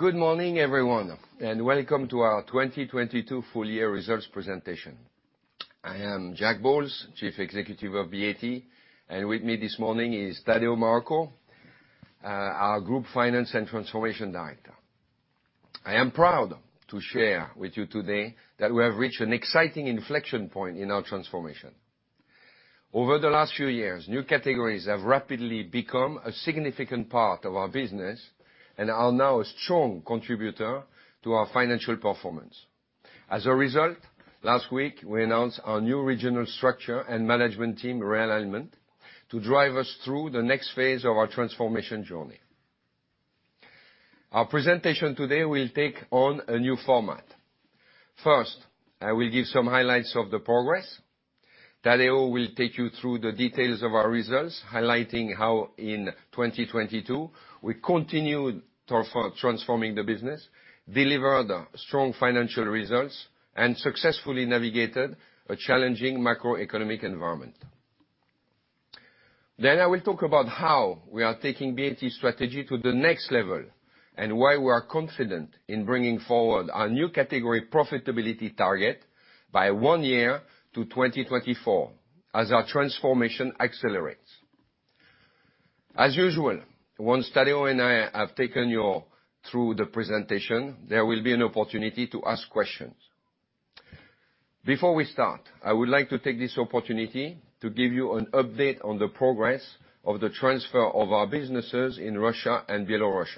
Good morning, everyone, welcome to our 2022 full-year results presentation. I am Jacques Bowles, Chief Executive of BAT, with me this morning is Tadeu Marroco, our Group Finance and Transformation Director. I am proud to share with you today that we have reached an exciting inflection point in our transformation. Over the last few years, new categories have rapidly become a significant part of our business and are now a strong contributor to our financial performance. As a result, last week, we announced our new regional structure and management team realignment to drive us through the next phase of our transformation journey. Our presentation today will take on a new format. First, I will give some highlights of the progress. Tadeu will take you through the details of our results, highlighting how in 2022 we continued transforming the business, delivered strong financial results, and successfully navigated a challenging macroeconomic environment. I will talk about how we are taking BAT's strategy to the next level and why we are confident in bringing forward our new-category profitability target by one year to 2024 as our transformation accelerates. As usual, once Tadeu and I have taken you all through the presentation, there will be an opportunity to ask questions. Before we start, I would like to take this opportunity to give you an update on the progress of the transfer of our businesses in Russia and Belarus.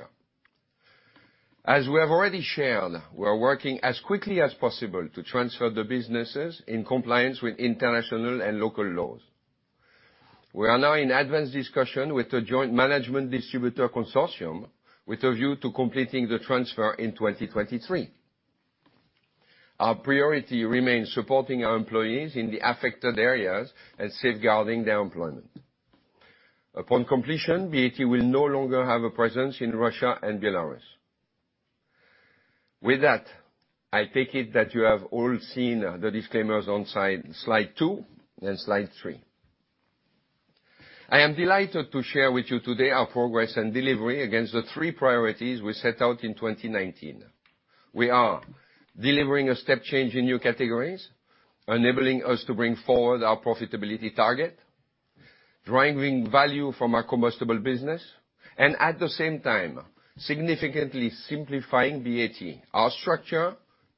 As we have already shared, we are working as quickly as possible to transfer the businesses in compliance with international and local laws. We are now in advanced discussion with the joint management distributor consortium, with a view to completing the transfer in 2023. Our priority remains supporting our employees in the affected areas and safeguarding their employment. Upon completion, BAT will no longer have a presence in Russia and Belarus. With that, I take it that you have all seen the disclaimers on Slide 2 and 3. I am delighted to share with you today our progress and delivery against the three priorities we set out in 2019. We are delivering a step change in new categories, enabling us to bring forward our profitability target, driving value from our combustible business, and at the same time, significantly simplifying BAT, our structure,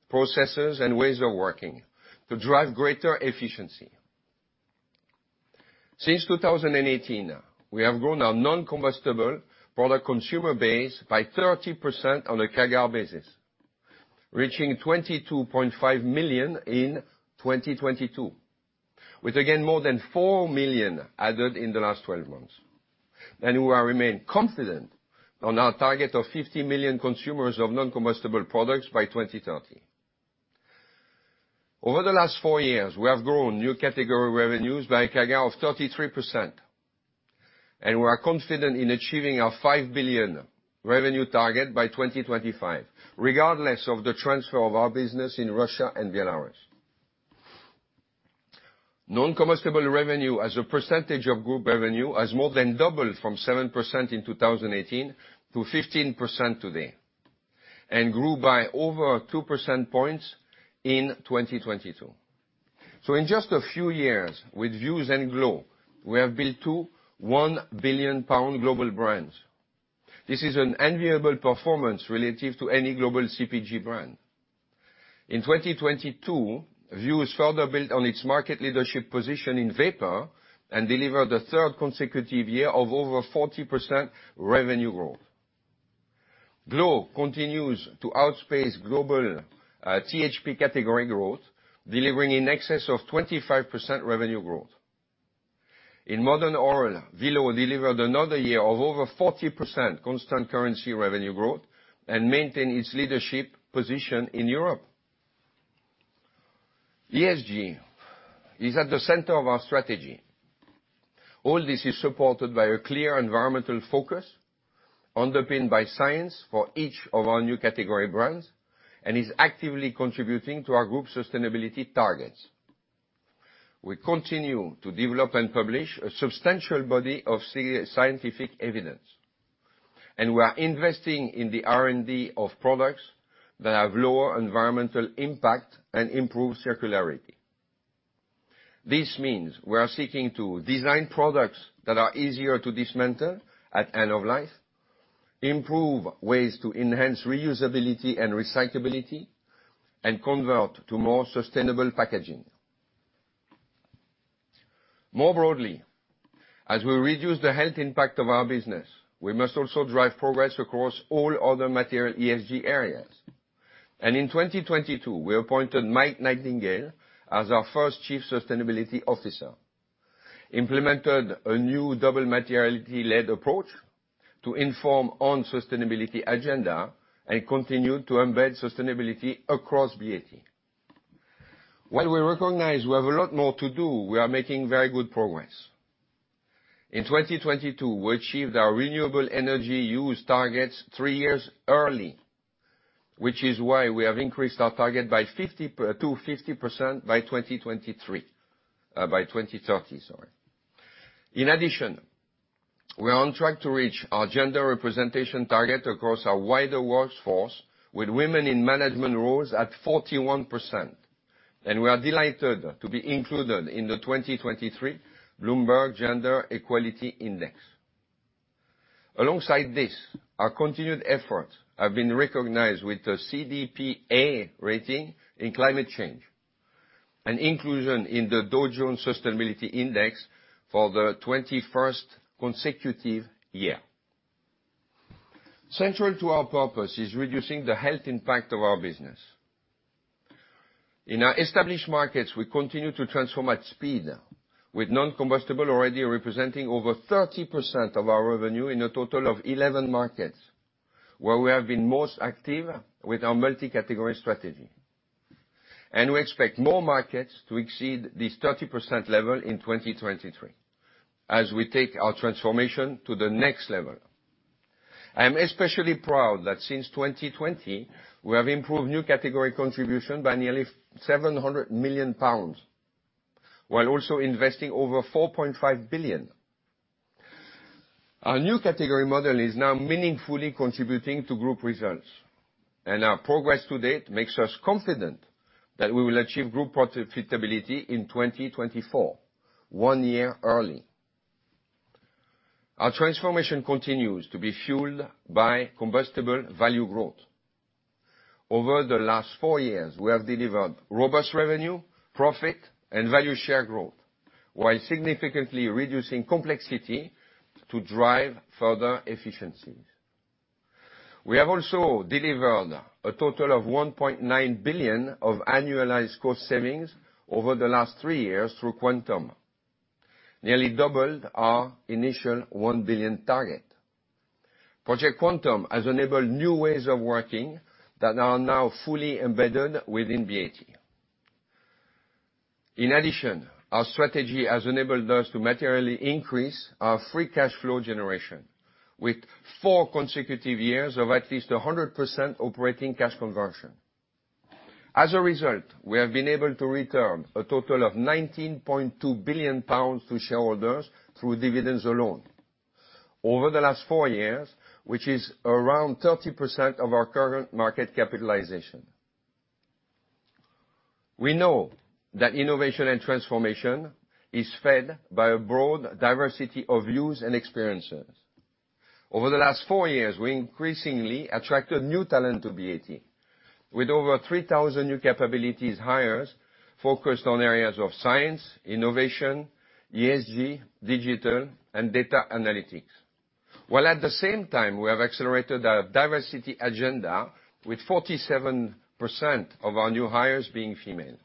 processes, and ways of working to drive greater efficiency. Since 2018, we have grown our non-combustible product consumer base by 30% on a CAGR basis, reaching 22.5 million in 2022, with again, more than 4 million added in the last 12 months. We will remain confident on our target of 50 million consumers of non-combustible products by 2030. Over the last four years, we have grown new category revenues by a CAGR of 33%, and we are confident in achieving our 5 billion revenue target by 2025, regardless of the transfer of our business in Russia and Belarus. Non-combustible revenue as a percentage of Group revenue has more than doubled from 7% in 2018 to 15% today and grew by over two percentage points in 2022. In just a few years with Vuse and glo, we have built two 1 billion pound global brands. This is an enviable performance relative to any global CPG brand. In 2022, Vuse further built on its market leadership position in vapor and delivered a third consecutive year of over 40% revenue growth. glo continues to outpace global THP category growth, delivering in excess of 25% revenue growth. In modern oral, Velo delivered another year of over 40% constant currency revenue growth and maintained its leadership position in Europe. ESG is at the center of our strategy. All this is supported by a clear environmental focus underpinned by science for each of our new-category brands and is actively contributing to our Group sustainability targets. We continue to develop and publish a substantial body of scientific evidence, and we are investing in the R&D of products that have lower environmental impact and improve circularity. This means we are seeking to design products that are easier to dismantle at end of life, improve ways to enhance reusability and recyclability, and convert to more sustainable packaging. More broadly, as we reduce the health impact of our business, we must also drive progress across all other material ESG areas. In 2022, we appointed Mike Nightingale as our first Chief Sustainability Officer, implemented a new Double Materiality-led approach to inform on sustainability agenda, and continued to embed sustainability across BAT. While we recognize we have a lot more to do, we are making very good progress. In 2022, we achieved our renewable energy use targets three years early. Which is why we have increased our target to 50% by 2030 . In addition, we're on track to reach our gender representation target across our wider workforce with women in management roles at 41%, and we are delighted to be included in the 2023 Bloomberg Gender-Equality Index. Alongside this, our continued efforts have been recognized with the CDP A rating in climate change and inclusion in the Dow Jones Sustainability Indices for the 21st consecutive year. Central to our purpose is reducing the health impact of our business. In our established markets, we continue to transform at speed, with non-combustible already representing over 30% of our revenue in a total of 11 markets where we have been most active with our multi-category strategy. We expect more markets to exceed this 30% level in 2023 as we take our transformation to the next level. I am especially proud that since 2020, we have improved new-category contribution by nearly 700 million pounds, while also investing over 4.5 billion. Our new category model is now meaningfully contributing to Group results. Our progress to date makes us confident that we will achieve group profitability in 2024, one year early. Our transformation continues to be fueled by combustible value growth. Over the last four years, we have delivered robust revenue, profit, and value share growth, while significantly reducing complexity to drive further efficiencies. We have also delivered a total of 1.9 billion of annualized cost savings over the last three years through Quantum, nearly double our initial 1 billion target. Project Quantum has enabled new ways of working that are now fully embedded within BAT. Our strategy has enabled us to materially increase our free cash flow generation with four consecutive years of at least a 100% operating cash conversion. We have been able to return a total of 19.2 billion pounds to shareholders through dividends alone over the last four years, which is around 30% of our current market capitalization. We know that innovation and transformation is fed by a broad diversity of views and experiences. Over the last 4 years, we increasingly attracted new talent to BAT with over 3,000 new capabilities hires focused on areas of science, innovation, ESG, digital, and data analytics. We have accelerated our diversity agenda with 47% of our new hires being female.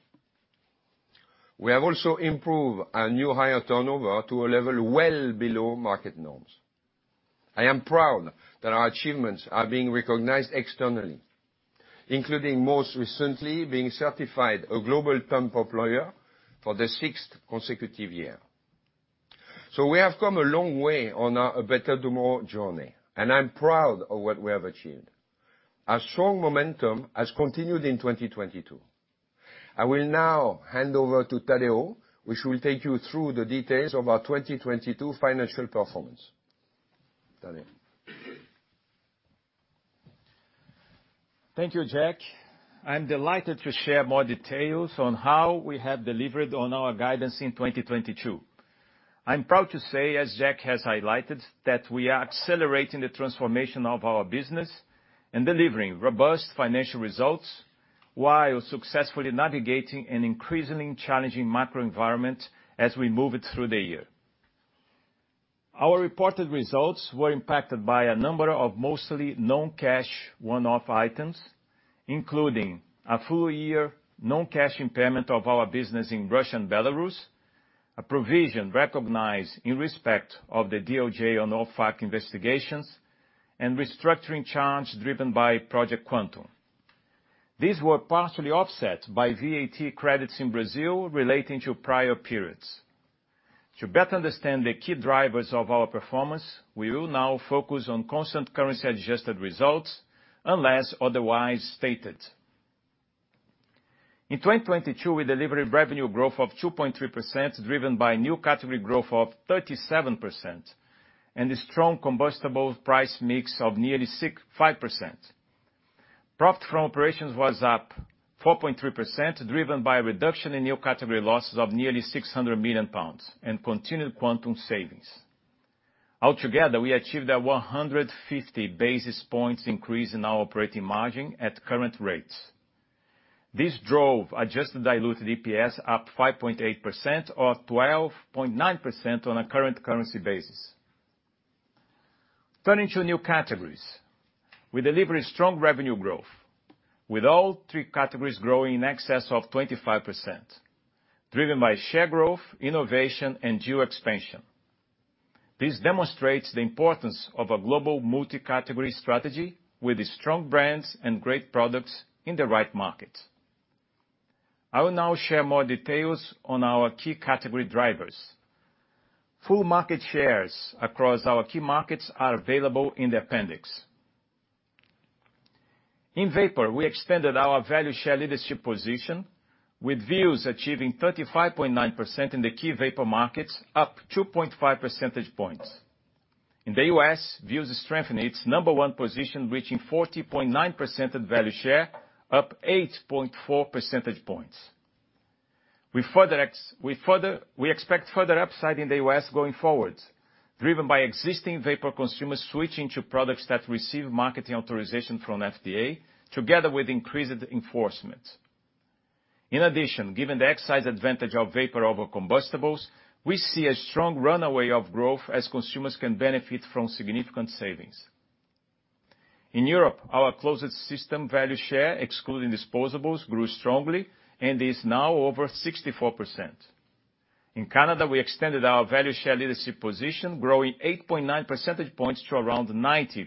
We have also improved our new-hire turnover to a level well below market norms. I am proud that our achievements are being recognized externally, including most recently being certified a Global Top Employer for the sixth consecutive year. We have come a long way on our "A Better Tomorrow" journey, and I'm proud of what we have achieved. Our strong momentum has continued in 2022. I will now hand over to Tadeu, which will take you through the details of our 2022 financial performance. Tadeu. Thank you, Jack. I'm delighted to share more details on how we have delivered on our guidance in 2022. I'm proud to say, as Jack has highlighted, that we are accelerating the transformation of our business and delivering robust financial results while successfully navigating an increasingly challenging macro environment as we moved through the year. Our reported results were impacted by a number of mostly known cash one-off items, including a full-year non-cash impairment of our business in Russia and Belarus, a provision recognized in respect of the DOJ on OFAC investigations, and restructuring charges driven by Project Quantum. These were partially offset by VAT credits in Brazil relating to prior periods. To better understand the key drivers of our performance, we will now focus on constant currency adjusted results unless otherwise stated. In 2022, we delivered revenue growth of 2.3%, driven by new category growth of 37% and a strong combustible price mix of nearly six- five percent. Profit from operations was up 4.3%, driven by a reduction in new category losses of nearly 600 million pounds and continued Quantum savings. Altogether, we achieved a 150 basis points increase in our operating margin at current rates. This drove adjusted diluted EPS up 5.8% or 12.9% on a current currency basis. Turning to new categories. We delivered strong revenue growth with all three categories growing in excess of 25%, driven by share growth, innovation, and geo expansion. This demonstrates the importance of a global multi-category strategy with strong brands and great products in the right markets. I will now share more details on our key category drivers. Full market shares across our key markets are available in the Appendix. In vapor, we extended our value share leadership position, with Vuse achieving 35.9% in the key vapor markets, up 2.5 percentage points. In the U.S., Vuse strengthened its number one position, reaching 40.9% of the value share, up 8.4 percentage points. We expect further upside in the U.S. going forward, driven by existing vapor consumers switching to products that receive marketing authorization from FDA, together with increased enforcement. In addition, given the excise advantage of vapor over combustibles, we see a strong runaway of growth as consumers can benefit from significant savings. In Europe, our closed system value share, excluding disposables, grew strongly and is now over 64%. In Canada, we extended our value share leadership position, growing 8.9 percentage points to around 90%.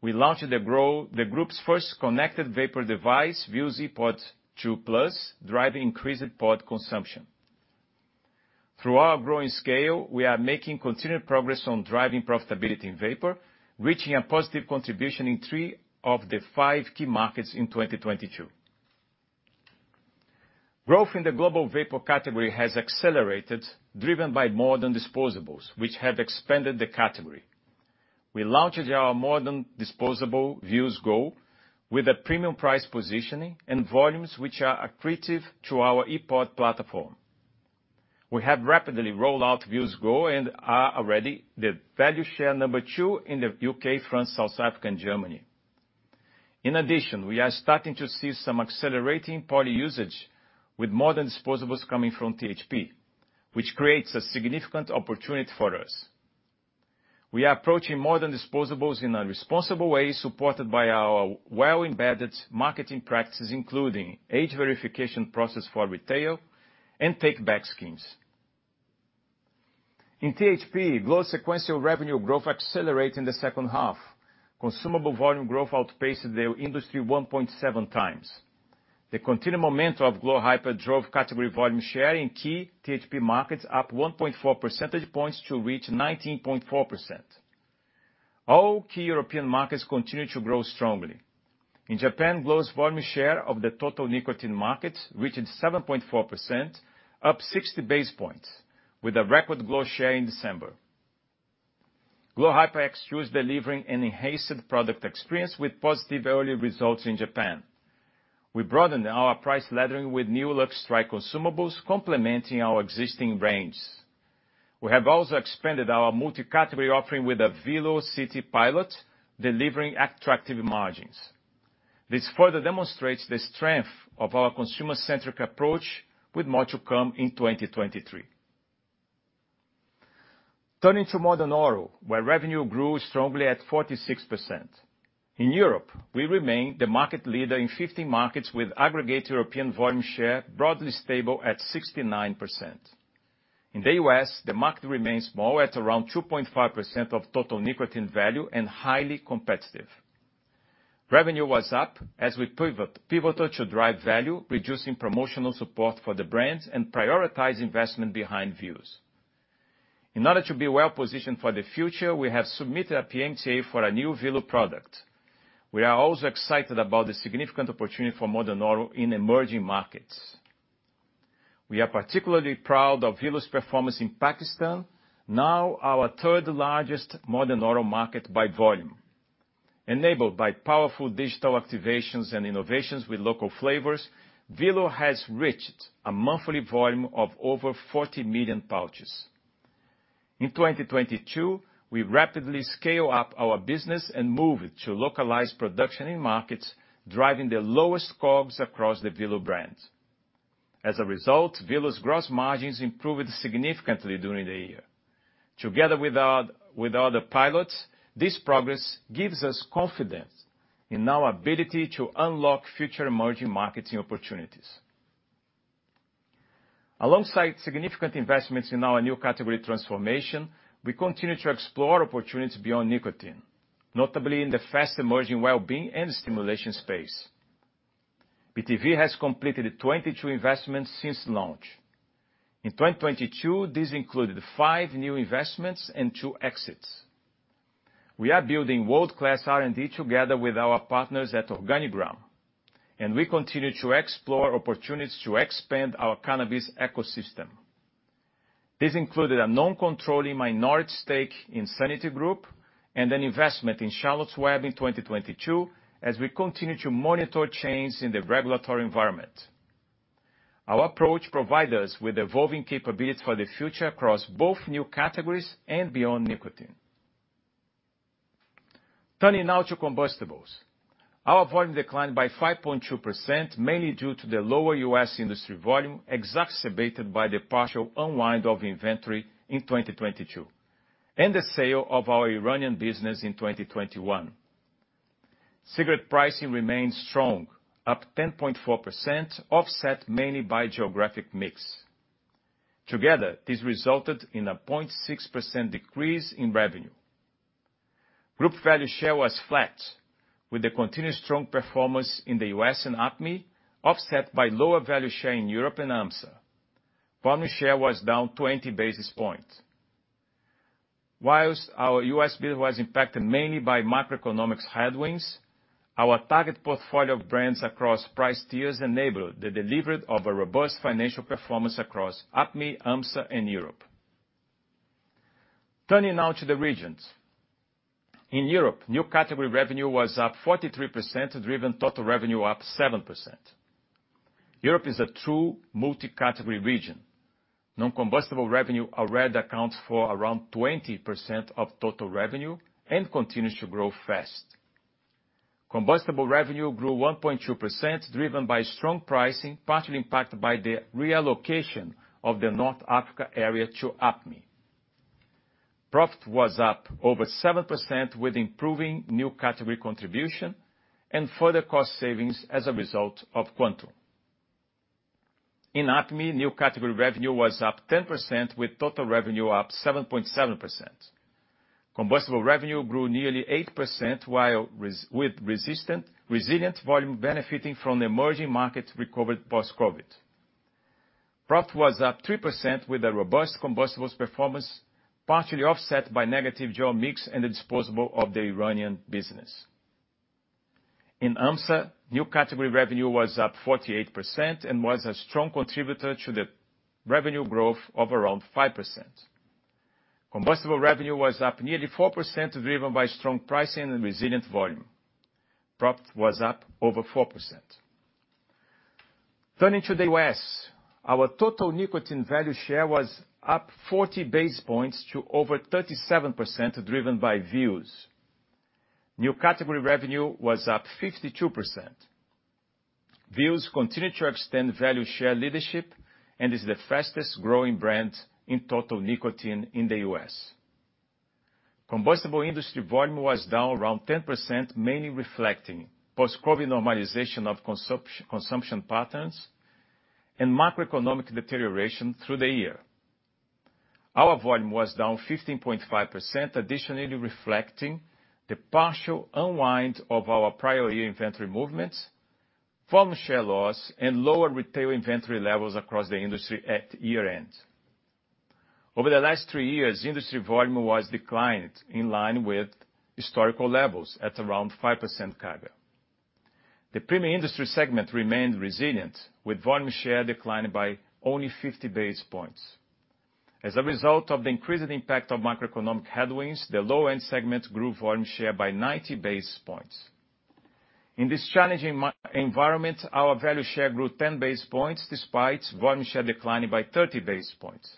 We launched the Group's first connected vapor device, Vuse ePod 2 Plus, driving increased pod consumption. Through our growing scale, we are making continued progress on driving profitability in vapor, reaching a positive contribution in three of the five key markets in 2022. Growth in the global vapor category has accelerated, driven by modern disposables, which have expanded the category. We launched our modern disposable, Vuse Go, with a premium price positioning and volumes which are accretive to our ePod platform. We have rapidly rolled out Vuse Go and are already the value-share number two in the U.K., France, South Africa, and Germany. In addition, we are starting to see some accelerating pod usage with modern disposables coming from THP, which creates a significant opportunity for us. We are approaching modern disposables in a responsible way, supported by our well-embedded marketing practices, including age verification process for retail and take-back schemes. In THP glo's sequential revenue growth accelerated in the H2. Consumable volume growth outpaced the industry 1.7x. The continued momentum of glo Hyper drove category volume share in key THP markets up 1.4 percentage points to reach 19.4%. All key European markets continued to grow strongly. In Japan, glo's volume share of the total nicotine market reached 7.4%, up 60 basis points, with a record glo share in December. glo HYPER X2 is delivering an enhanced product experience with positive early results in Japan. We broadened our price laddering with new Lucky Strike consumables, complementing our existing range. We have also expanded our multi-category offering with a Velo CT pilot, delivering attractive margins. This further demonstrates the strength of our consumer-centric approach, with more to come in 2023. Turning to Modern Oral, where revenue grew strongly at 46%. In Europe, we remain the market leader in 15 markets with aggregate European volume share broadly stable at 69%. In the U.S., the market remains small, at around 2.5% of total nicotine value, and highly competitive. Revenue was up as we pivoted to drive value, reducing promotional support for the brands, and prioritize investment behind Vuse. In order to be well-positioned for the future, we have submitted a PMTA for our new Velo product. We are also excited about the significant opportunity for Modern Oral in emerging markets. We are particularly proud of Velo's performance in Pakistan, now our third-largest modern oral market by volume. Enabled by powerful digital activations and innovations with local flavors, Velo has reached a monthly volume of over 40 million pouches. In 2022, we rapidly scale up our business and moved to localized production in markets, driving the lowest costs across the Velo brand. As a result, Velo's gross margins improved significantly during the year. Together with other pilots, this progress gives us confidence in our ability to unlock future emerging marketing opportunities. Alongside significant investments in our new category transformation, we continue to explore opportunities beyond nicotine, notably in the fast-emerging well being and stimulation space. BTV has completed 22 investments since launch. In 2022, these included five new investments and two exits. We are building world-class R&D together with our partners at Organigram, and we continue to explore opportunities to expand our cannabis ecosystem. This included a non-controlling minority stake in Sanity Group and an investment in Charlotte's Web in 2022 as we continue to monitor change in the regulatory environment. Our approach provide us with evolving capabilities for the future across both new categories and beyond nicotine. Turning now to combustibles. Our volume declined by 5.2%, mainly due to the lower U.S. industry volume, exacerbated by the partial unwind of inventory in 2022 and the sale of our Iranian business in 2021. Cigarette pricing remained strong, up 10.4%, offset mainly by geographic mix. Together, this resulted in a 0.6% decrease in revenue. Group value share was flat with the continued strong performance in the U.S. and APME, offset by lower value share in Europe and AMSA. Volume share was down 20 basis points. Our U.S. bill was impacted mainly by macroeconomics headwinds, our target portfolio of brands across price tiers enabled the delivery of a robust financial performance across APME, AMSA, and Europe. Turning now to the regions. In Europe, new category revenue was up 43%, driven total revenue up 7%. Europe is a true multi-category region. Nondurable revenue already accounts for around 20% of total revenue and continues to grow fast. Combustible revenue grew 1.2%, driven by strong pricing, partially impacted by the reallocation of the North Africa area to APME. Profit was up over 7% with improving new category contribution and further cost savings as a result of Quantum. In APME, new category revenue was up 10%, with total revenue up 7.7%. Combustible revenue grew nearly 8%, while resilient volume benefiting from the emerging market recovered post-COVID-19. Profit was up 3% with a robust combustibles performance, partially offset by negative geo mix and the disposable of the Iranian business. In AMSA, new category revenue was up 48% and was a strong contributor to the revenue growth of around 5%. Combustible revenue was up nearly 4%, driven by strong pricing and resilient volume. Profit was up over 4%. Turning to the U.S., our total nicotine value share was up 40 base points to over 37%, driven by Vuse. New category revenue was up 52%. Vuse continued to extend value share leadership, is the fastest growing brand in total nicotine in the U.S. Combustible industry volume was down around 10%, mainly reflecting post-COVID-19 normalization of consumption patterns and macroeconomic deterioration through the year. Our volume was down 15.5%, additionally reflecting the partial unwind of our prior year inventory movements, volume share loss, and lower retail inventory levels across the industry at year-end. Over the last three years, industry volume was declined in line with historical levels at around 5% CAGR. The premium industry segment remained resilient, with volume share declining by only 50 base points. As a result of the increased impact of macroeconomic headwinds, the low-end segment grew volume share by 90 base points. In this challenging environment, our value share grew 10 base points despite volume share declining by 30 base points.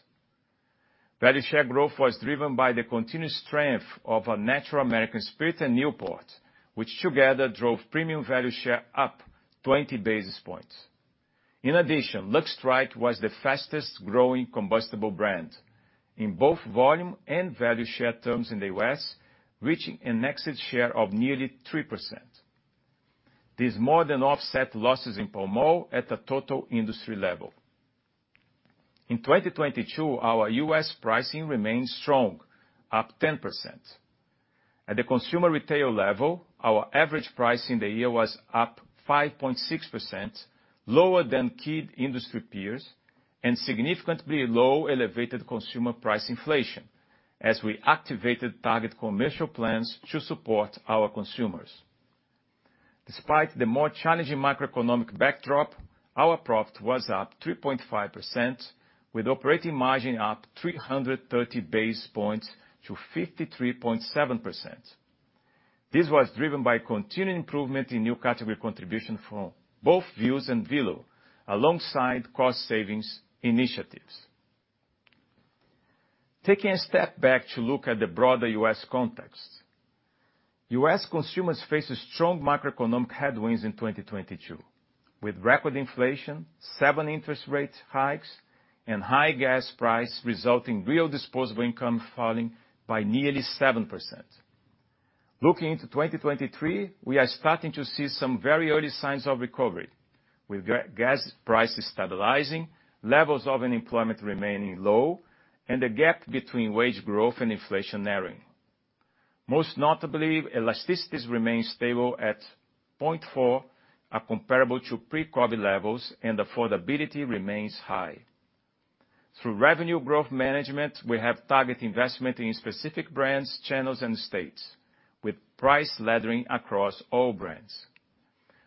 Value share growth was driven by the continued strength of natural American Spirit and Newport, which together drove premium value share up 20 basis points. Lucky Strike was the fastest growing combustible brand in both volume and value share terms in the U.S., reaching an exit share of nearly 3%. This more than offset losses in Pall Mall at a total industry level. In 2022, our U.S. pricing remained strong, up 10%. At the consumer retail level, our average price in the year was up 5.6%, lower than key industry peers, and significantly low elevated consumer price inflation, as we activated target commercial plans to support our consumers. Despite the more challenging macroeconomic backdrop, our profit was up 3.5%, with operating margin up 330 basis points to 53.7%. This was driven by continuing improvement in new category contribution from both Vuse and Velo, alongside cost savings initiatives. Taking a step back to look at the broader U.S. context. U.S. consumers faced strong macroeconomic headwinds in 2022, with record inflation, seven interest rate hikes, and high gas price resulting real disposable income falling by nearly 7%. Looking into 2023, we are starting to see some very early signs of recovery, with gas prices stabilizing, levels of unemployment remaining low, and the gap between wage growth and inflation narrowing. Most notably, elasticities remain stable at 0.4, are comparable to pre-COVID-19 levels, and affordability remains high. Through revenue growth management, we have target investment in specific brands, channels, and states, with price laddering across all brands.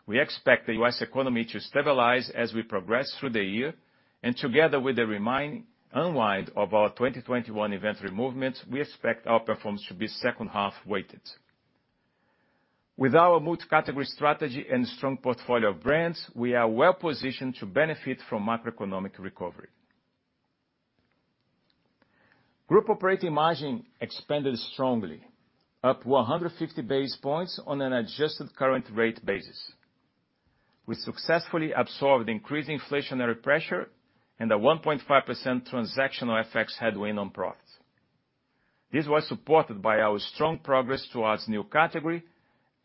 We expect the U.S. economy to stabilize as we progress through the year, and together with the unwind of our 2021 inventory movements, we expect our performance to be second half weighted. With our multi-category strategy and strong portfolio of brands, we are well-positioned to benefit from macroeconomic recovery. Group operating margin expanded strongly, up 150 basis points on an adjusted current rate basis. We successfully absorbed increased inflationary pressure and a 1.5% transactional effects headwind on profits. This was supported by our strong progress towards new category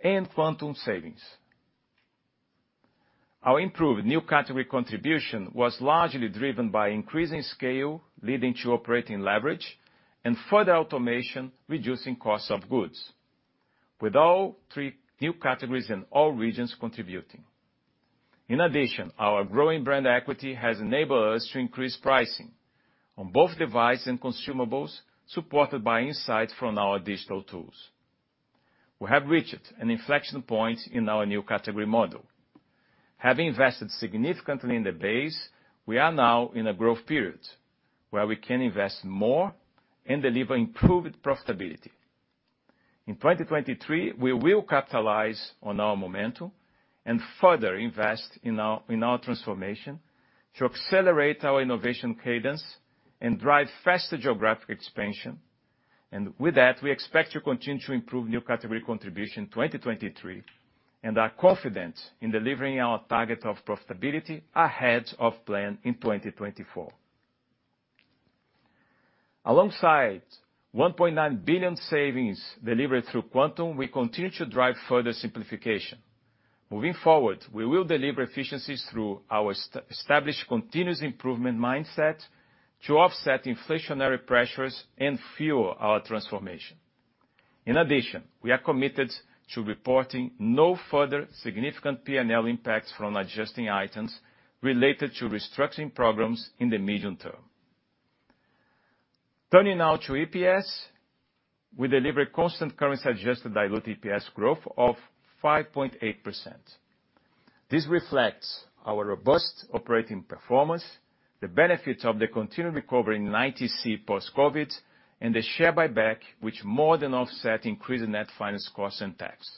and Quantum savings. Our improved new category contribution was largely driven by increasing scale, leading to operating leverage and further automation, reducing costs of goods. With all three new categories in all regions contributing. In addition, our growing brand equity has enabled us to increase pricing on both device and consumables, supported by insights from our digital tools. We have reached an inflection point in our new category model. Having invested significantly in the base, we are now in a growth period where we can invest more and deliver improved profitability. In 2023, we will capitalize on our momentum and further invest in our transformation to accelerate our innovation cadence and drive faster geographic expansion. With that, we expect to continue to improve new category contribution in 2023, and are confident in delivering our target of profitability ahead of plan in 2024. Alongside 1.9 billion savings delivered through Quantum, we continue to drive further simplification. Moving forward, we will deliver efficiencies through our established continuous improvement mindset to offset inflationary pressures and fuel our transformation. In addition, we are committed to reporting no further significant P&L impacts from adjusting items related to restructuring programs in the medium term. Turning now to EPS, we deliver constant currency adjusted diluted EPS growth of 5.8%. This reflects our robust operating performance, the benefits of the continued recovery in ITC post-COVID-19, and the share buyback, which more than offset increased net finance costs and tax.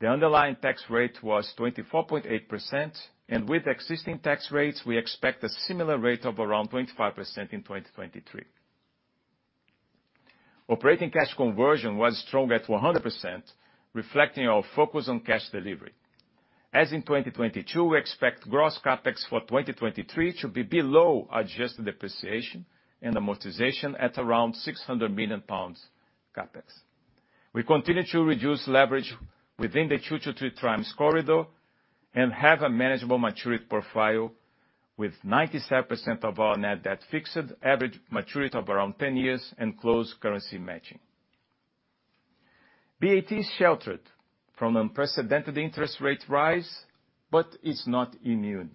The underlying tax rate was 24.8%, with existing tax rates, we expect a similar rate of around 25% in 2023. Operating cash conversion was strong at 100%, reflecting our focus on cash delivery. As in 2022, we expect gross CapEx for 2023 to be below adjusted depreciation and amortization at around 600 million pounds CapEx. We continue to reduce leverage within the 2-3x corridor and have a manageable maturity profile with 97% of our net debt fixed, average maturity of around 10 years, and close currency matching. BAT is sheltered from unprecedented interest rate rise, it's not immune.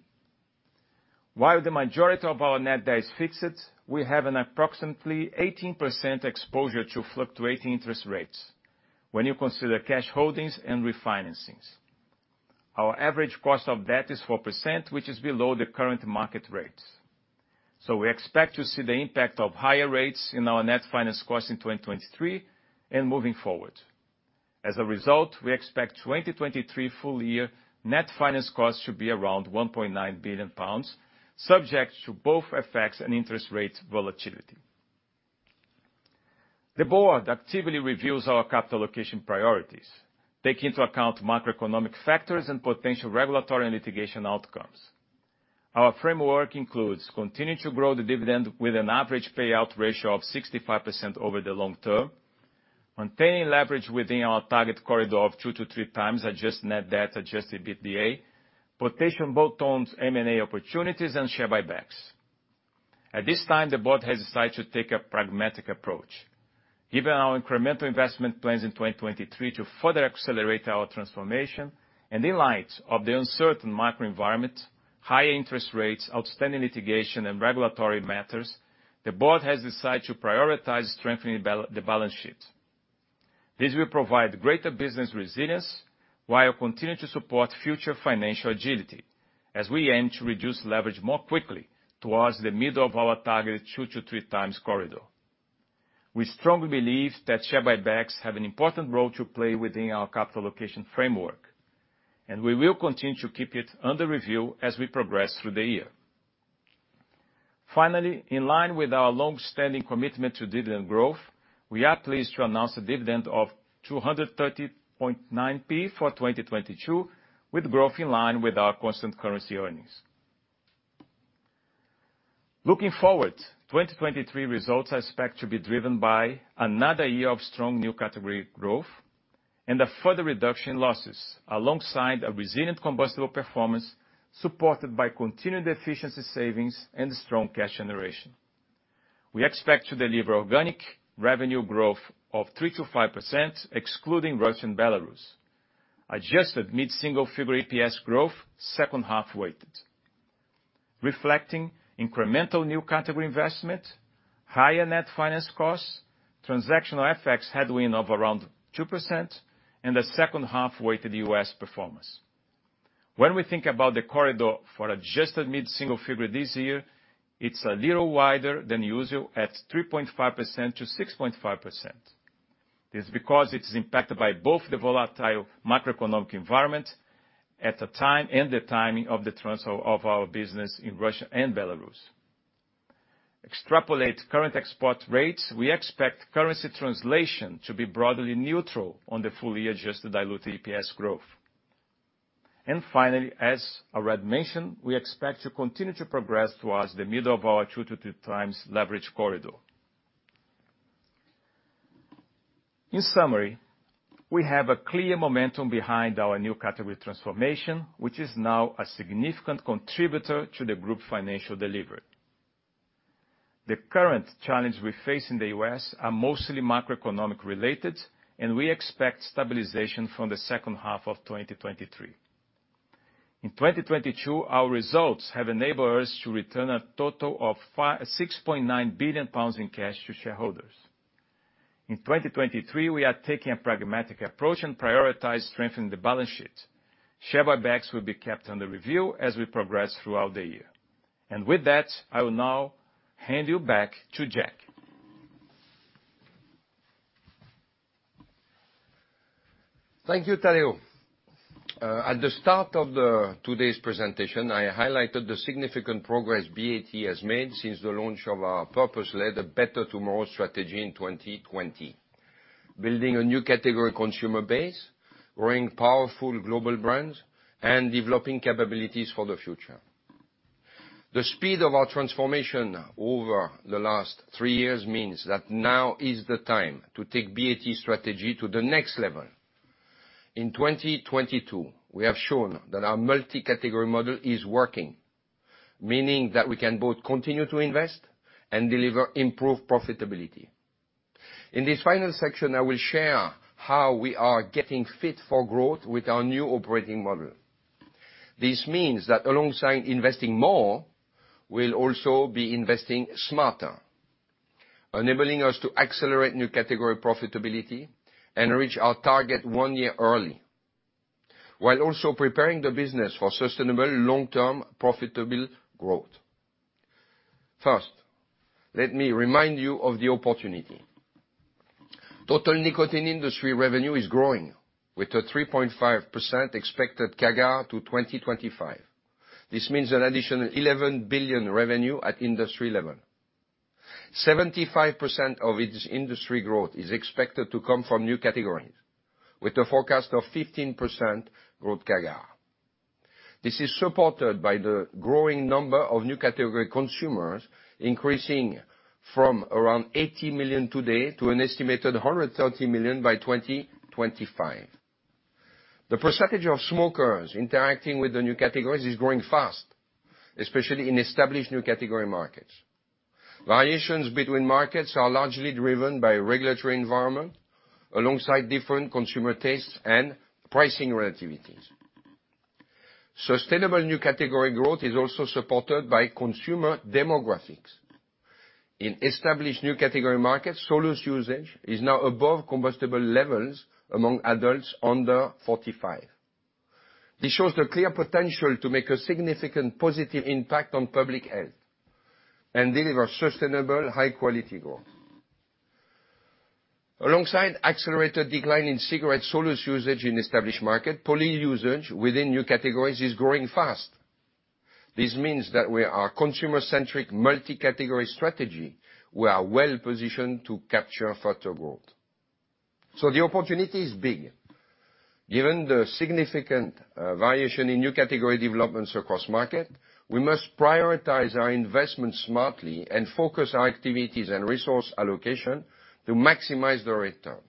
While the majority of our net debt is fixed, we have an approximately 18% exposure to fluctuating interest rates when you consider cash holdings and refinancings. Our average cost of debt is 4%, which is below the current market rates. We expect to see the impact of higher rates in our net finance costs in 2023 and moving forward. As a result, we expect 2023 full year net finance costs to be around 1.9 billion pounds, subject to both effects and interest rate volatility. The board actively reviews our capital allocation priorities, take into account macroeconomic factors and potential regulatory and litigation outcomes. Our framework includes continuing to grow the dividend with an average payout ratio of 65% over the long term, maintaining leverage within our target corridor of 2.0x-3.0x. Adjusted net debt, adjusted EBITDA, potential bolt-on M&A opportunities, and share buybacks. At this time, the board has decided to take a pragmatic approach. Given our incremental investment plans in 2023 to further accelerate our transformation, and in light of the uncertain macro environment, higher interest rates, outstanding litigation, and regulatory matters, the board has decided to prioritize strengthening the balance sheet. This will provide greater business resilience while continuing to support future financial agility as we aim to reduce leverage more quickly towards the middle of our targeted 2-3 times corridor. We strongly believe that share buybacks have an important role to play within our capital allocation framework, and we will continue to keep it under review as we progress through the year. Finally, in line with our long-standing commitment to dividend growth, we are pleased to announce a dividend of 2.309 for 2022, with growth in line with our constant currency earnings. Looking forward, 2023 results are expected to be driven by another year of strong new category growth and a further reduction in losses, alongside a resilient combustible performance supported by continued efficiency savings and strong cash generation. We expect to deliver organic revenue growth of 3%-5%, excluding Russia and Belarus. Adjusted mid-single-figure EPS growth, second half weighted, reflecting incremental new category investment, higher net finance costs, transactional FX headwind of around 2%, and a second half-weighted U.S. performance. When we think about the corridor for adjusted mid-single-figure this year, it's a little wider than usual at 3.5%-6.5%. This is because it is impacted by both the volatile macroeconomic environment at the time and the timing of the transfer of our business in Russia and Belarus. Extrapolate current export rates, we expect currency translation to be broadly neutral on the full year adjusted diluted EPS growth. Finally, as already mentioned, we expect to continue to progress towards the middle of our 2.0x-3.0x leverage corridor. In summary, we have a clear momentum behind our new category transformation, which is now a significant contributor to the group financial delivery. The current challenge we face in the U.S. are mostly macroeconomic-related, We expect stabilization from the H2 of 2023. In 2022, our results have enabled us to return a total of 6.9 billion pounds in cash to shareholders. In 2023, we are taking a pragmatic approach and prioritize strengthening the balance sheet. Share buybacks will be kept under review as we progress throughout the year. With that, I will now hand you back to Jack. Thank you, Tadeu. At the start of today's presentation, I highlighted the significant progress BAT has made since the launch of our purpose-led A Better Tomorrow strategy in 2020. Building a new category consumer base, growing powerful global brands, and developing capabilities for the future. The speed of our transformation over the last three years means that now is the time to take BAT's strategy to the next level. In 2022, we have shown that our multi-category model is working, meaning that we can both continue to invest and deliver improved profitability. In this final section, I will share how we are getting fit for growth with our new operating model. This means that alongside investing more, we'll also be investing smarter, enabling us to accelerate new category profitability and reach our target one year early, while also preparing the business for sustainable long-term profitable growth. First, let me remind you of the opportunity. Total nicotine industry revenue is growing with a 3.5% expected CAGR to 2025. This means an additional 11 billion revenue at industry level. 75% of its industry growth is expected to come from new categories, with a forecast of 15% growth CAGR. This is supported by the growing number of new category consumers, increasing from around 80 million today to an estimated 130 million by 2025. The percentage of smokers interacting with the new categories is growing fast, especially in established new category markets. Variations between markets are largely driven by regulatory environment alongside different consumer tastes and pricing relativities. Sustainable new category growth is also supported by consumer demographics. In established new category markets, solus usage is now above combustible levels among adults under 45. This shows the clear potential to make a significant positive impact on public health and deliver sustainable high-quality growth. Alongside accelerated decline in cigarette solus usage in established market, polyusage within new categories is growing fast. This means that with our consumer-centric multi-category strategy, we are well-positioned to capture further growth. The opportunity is big. Given the significant variation in new category developments across market, we must prioritize our investment smartly and focus our activities and resource allocation to maximize the return.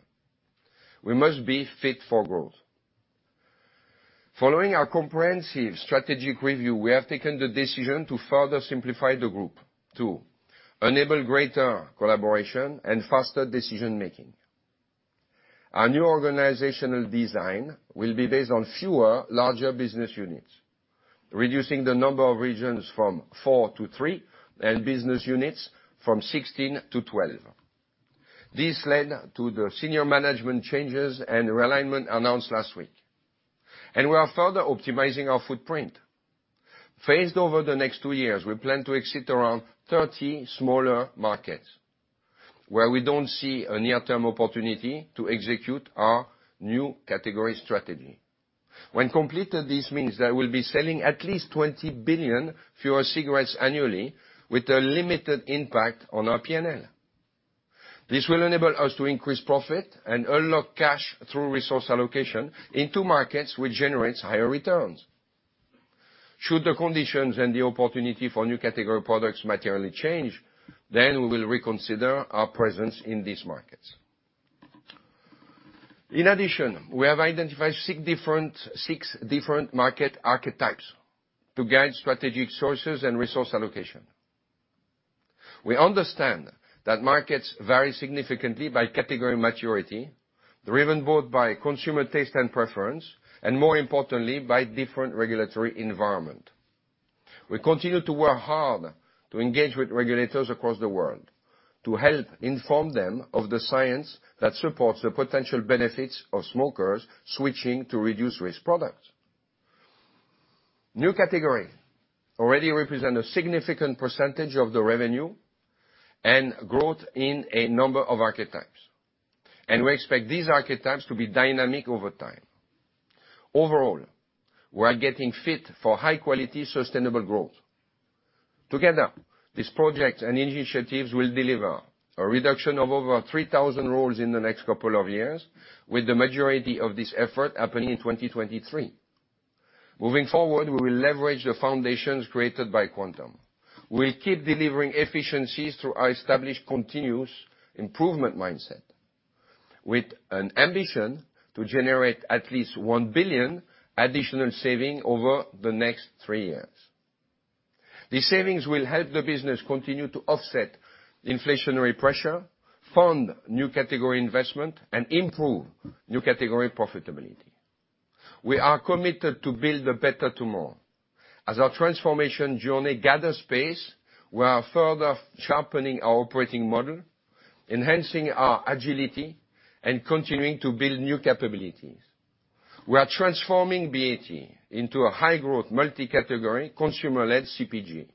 We must be fit for growth. Following our comprehensive strategic review, we have taken the decision to further simplify the group to enable greater collaboration and faster decision-making. Our new organizational design will be based on fewer, larger business units, reducing the number of regions from four to three and business units from 16 to 12. This led to the senior management changes and realignment announced last week. We are further optimizing our footprint. Phased over the next two years, we plan to exit around 30 smaller markets where we don't see a near-term opportunity to execute our new category strategy. When completed, this means that we'll be selling at least 20 billion fewer cigarettes annually with a limited impact on our P&L. This will enable us to increase profit and unlock cash through resource allocation into markets which generates higher returns. Should the conditions and the opportunity for new category products materially change, then we will reconsider our presence in these markets. In addition, we have identified six different market archetypes to guide strategic sources and resource allocation. We understand that markets vary significantly by category maturity, driven both by consumer taste and preference, and more importantly, by different regulatory environment. We continue to work hard to engage with regulators across the world to help inform them of the science that supports the potential benefits of smokers switching to reduced risk products. New category already represent a significant percentage of the revenue and growth in a number of archetypes, and we expect these archetypes to be dynamic over time. Overall, we are getting fit for high-quality, sustainable growth. Together, these projects and initiatives will deliver a reduction of over 3,000 roles in the next couple of years, with the majority of this effort happening in 2023. Moving forward, we will leverage the foundations created by Quantum. We'll keep delivering efficiencies through our established continuous improvement mindset, with an ambition to generate at least 1 billion additional saving over the next three years. These savings will help the business continue to offset inflationary pressure, fund new category investment, and improve new category profitability. We are committed to build "A Better Tomorrow". As our transformation journey gathers pace, we are further sharpening our operating model, enhancing our agility, and continuing to build new capabilities. We are transforming BAT into a high-growth, multi-category, consumer-led CPG,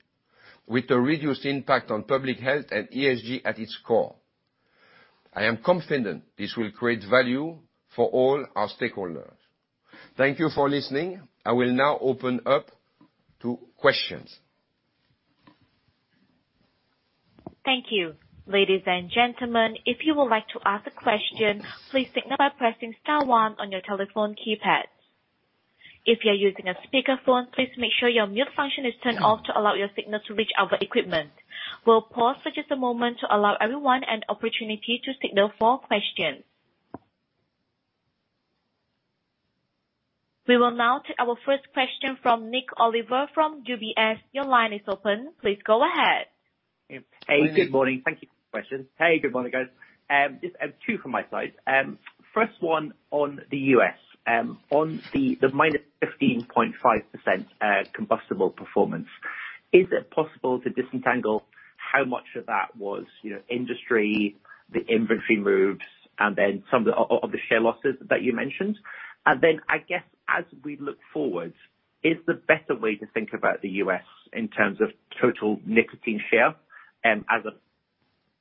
with a reduced impact on public health and ESG at its core. I am confident this will create value for all our stakeholders. Thank you for listening. I will now open up to questions. Thank you. Ladies and gentlemen, if you would like to ask a question, please signal by pressing star one on your telephone keypads. If you're using a speakerphone, please make sure your mute function is turned off to allow your signal to reach our equipment. We'll pause for just a moment to allow everyone an opportunity to signal for questions. We will now take our first question from Nick Oliver from UBS. Your line is open. Please go ahead. Hey, good morning. Thank you for taking my question. Hey, good morning, guys. Just two from my side. First one on the US. On the -15.5% combustible performance, is it possible to disentangle how much of that was, you know, industry, the inventory moves, and then some of the share losses that you mentioned? I guess as we look forward, is the better way to think about the U.S. in terms of total nicotine share, as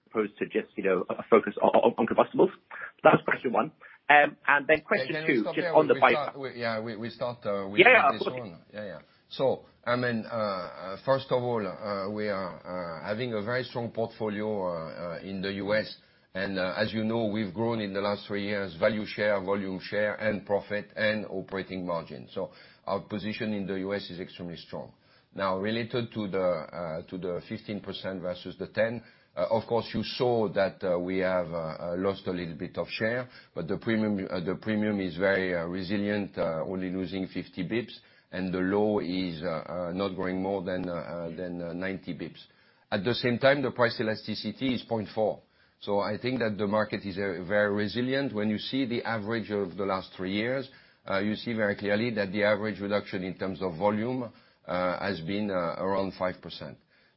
opposed to just,a focus on combustibles? That's question one. Question two, just on the pipe- Yeah, can we stop you there? We start with this one. Yeah, yeah. Absolutely. Yeah, I mean, first of all, we are having a very strong portfolio in the U.S. As you know, we've grown in the last three years, value share, volume share, and profit and operating margin. Our position in the U.S. is extremely strong. Now, related to the to the 15% versus the 10%, of course, you saw that we have lost a little bit of share, but the premium, the premium is very resilient, only losing 50 basis points, and the low is not growing more than than 90 basis points. At the same time, the price elasticity is 0.4. I think that the market is very resilient. When you see the average of the last three years, you see very clearly that the average reduction in terms of volume, has been around 5%.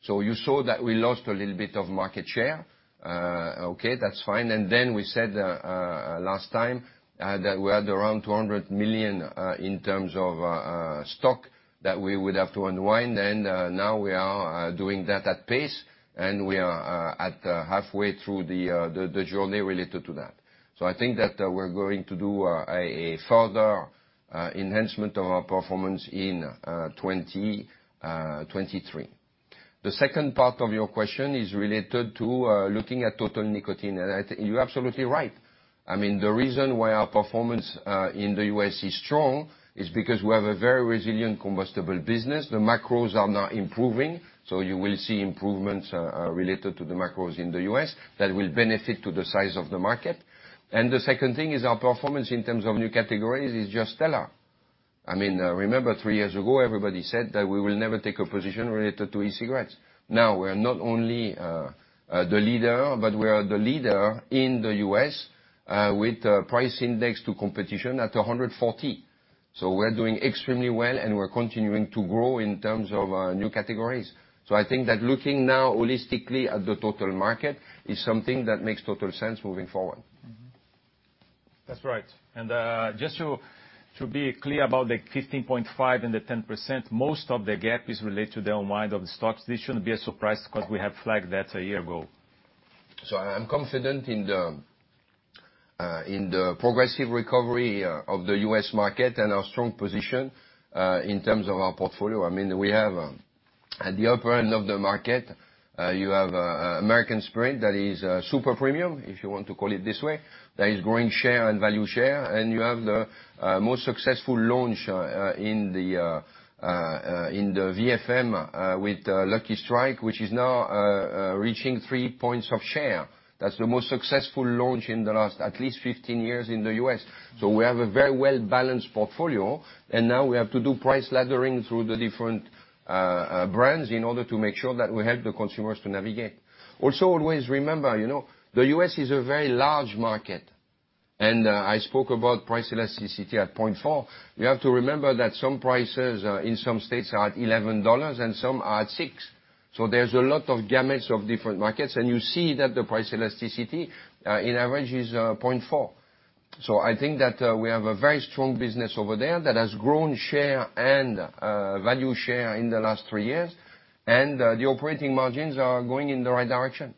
You saw that we lost a little bit of market share. Okay, that's fine. Then we said, last time, that we had around 200 million, in terms of stock that we would have to unwind. Now we are doing that at pace, and we are at halfway through the journey related to that. I think that we're going to do a further enhancement of our performance in 2023. The second part of your question is related to looking at total nicotine. I think you're absolutely right. I mean, the reason why our performance in the U.S. is strong is because we have a very resilient combustible business. The macros are now improving, you will see improvements related to the macros in the U.S. that will benefit to the size of the market. The second thing is our performance in terms of new categories is just stellar. I mean, remember years ago, everybody said that we will never take a position related to e-cigarettes. Now, we're not only the leader, but we are the leader in the U.S. with the price index to competition at 140. We're doing extremely well, and we're continuing to grow in terms of new categories. I think that looking now holistically at the total market is something that makes total sense moving forward. That's right. Just to be clear about the 15.5 and the 10%, most of the gap is related to the unwind of the stocks. This shouldn't be a surprise because we have flagged that a year ago. I'm confident in the progressive recovery of the U.S. market and our strong position in terms of our portfolio. I mean, we have at the upper end of the market, you have American Spirit that is super premium, if you want to call it this way, that is growing share and value share, and you have the most successful launch in the VFM with Lucky Strike, which is now reaching three points of share. That's the most successful launch in the last at least 15 years in the U.S. We have a very well-balanced portfolio, and now we have to do price laddering through the different brands in order to make sure that we help the consumers to navigate. Also, always remember, you know, the U.S. is a very large market, and I spoke about price elasticity at 0.4. You have to remember that some prices in some states are at $11 and some are at $6. There's a lot of gamuts of different markets, and you see that the price elasticity in average is 0.4. I think that we have a very strong business over there that has grown share and value share in the last three years, and the operating margins are going in the right direction.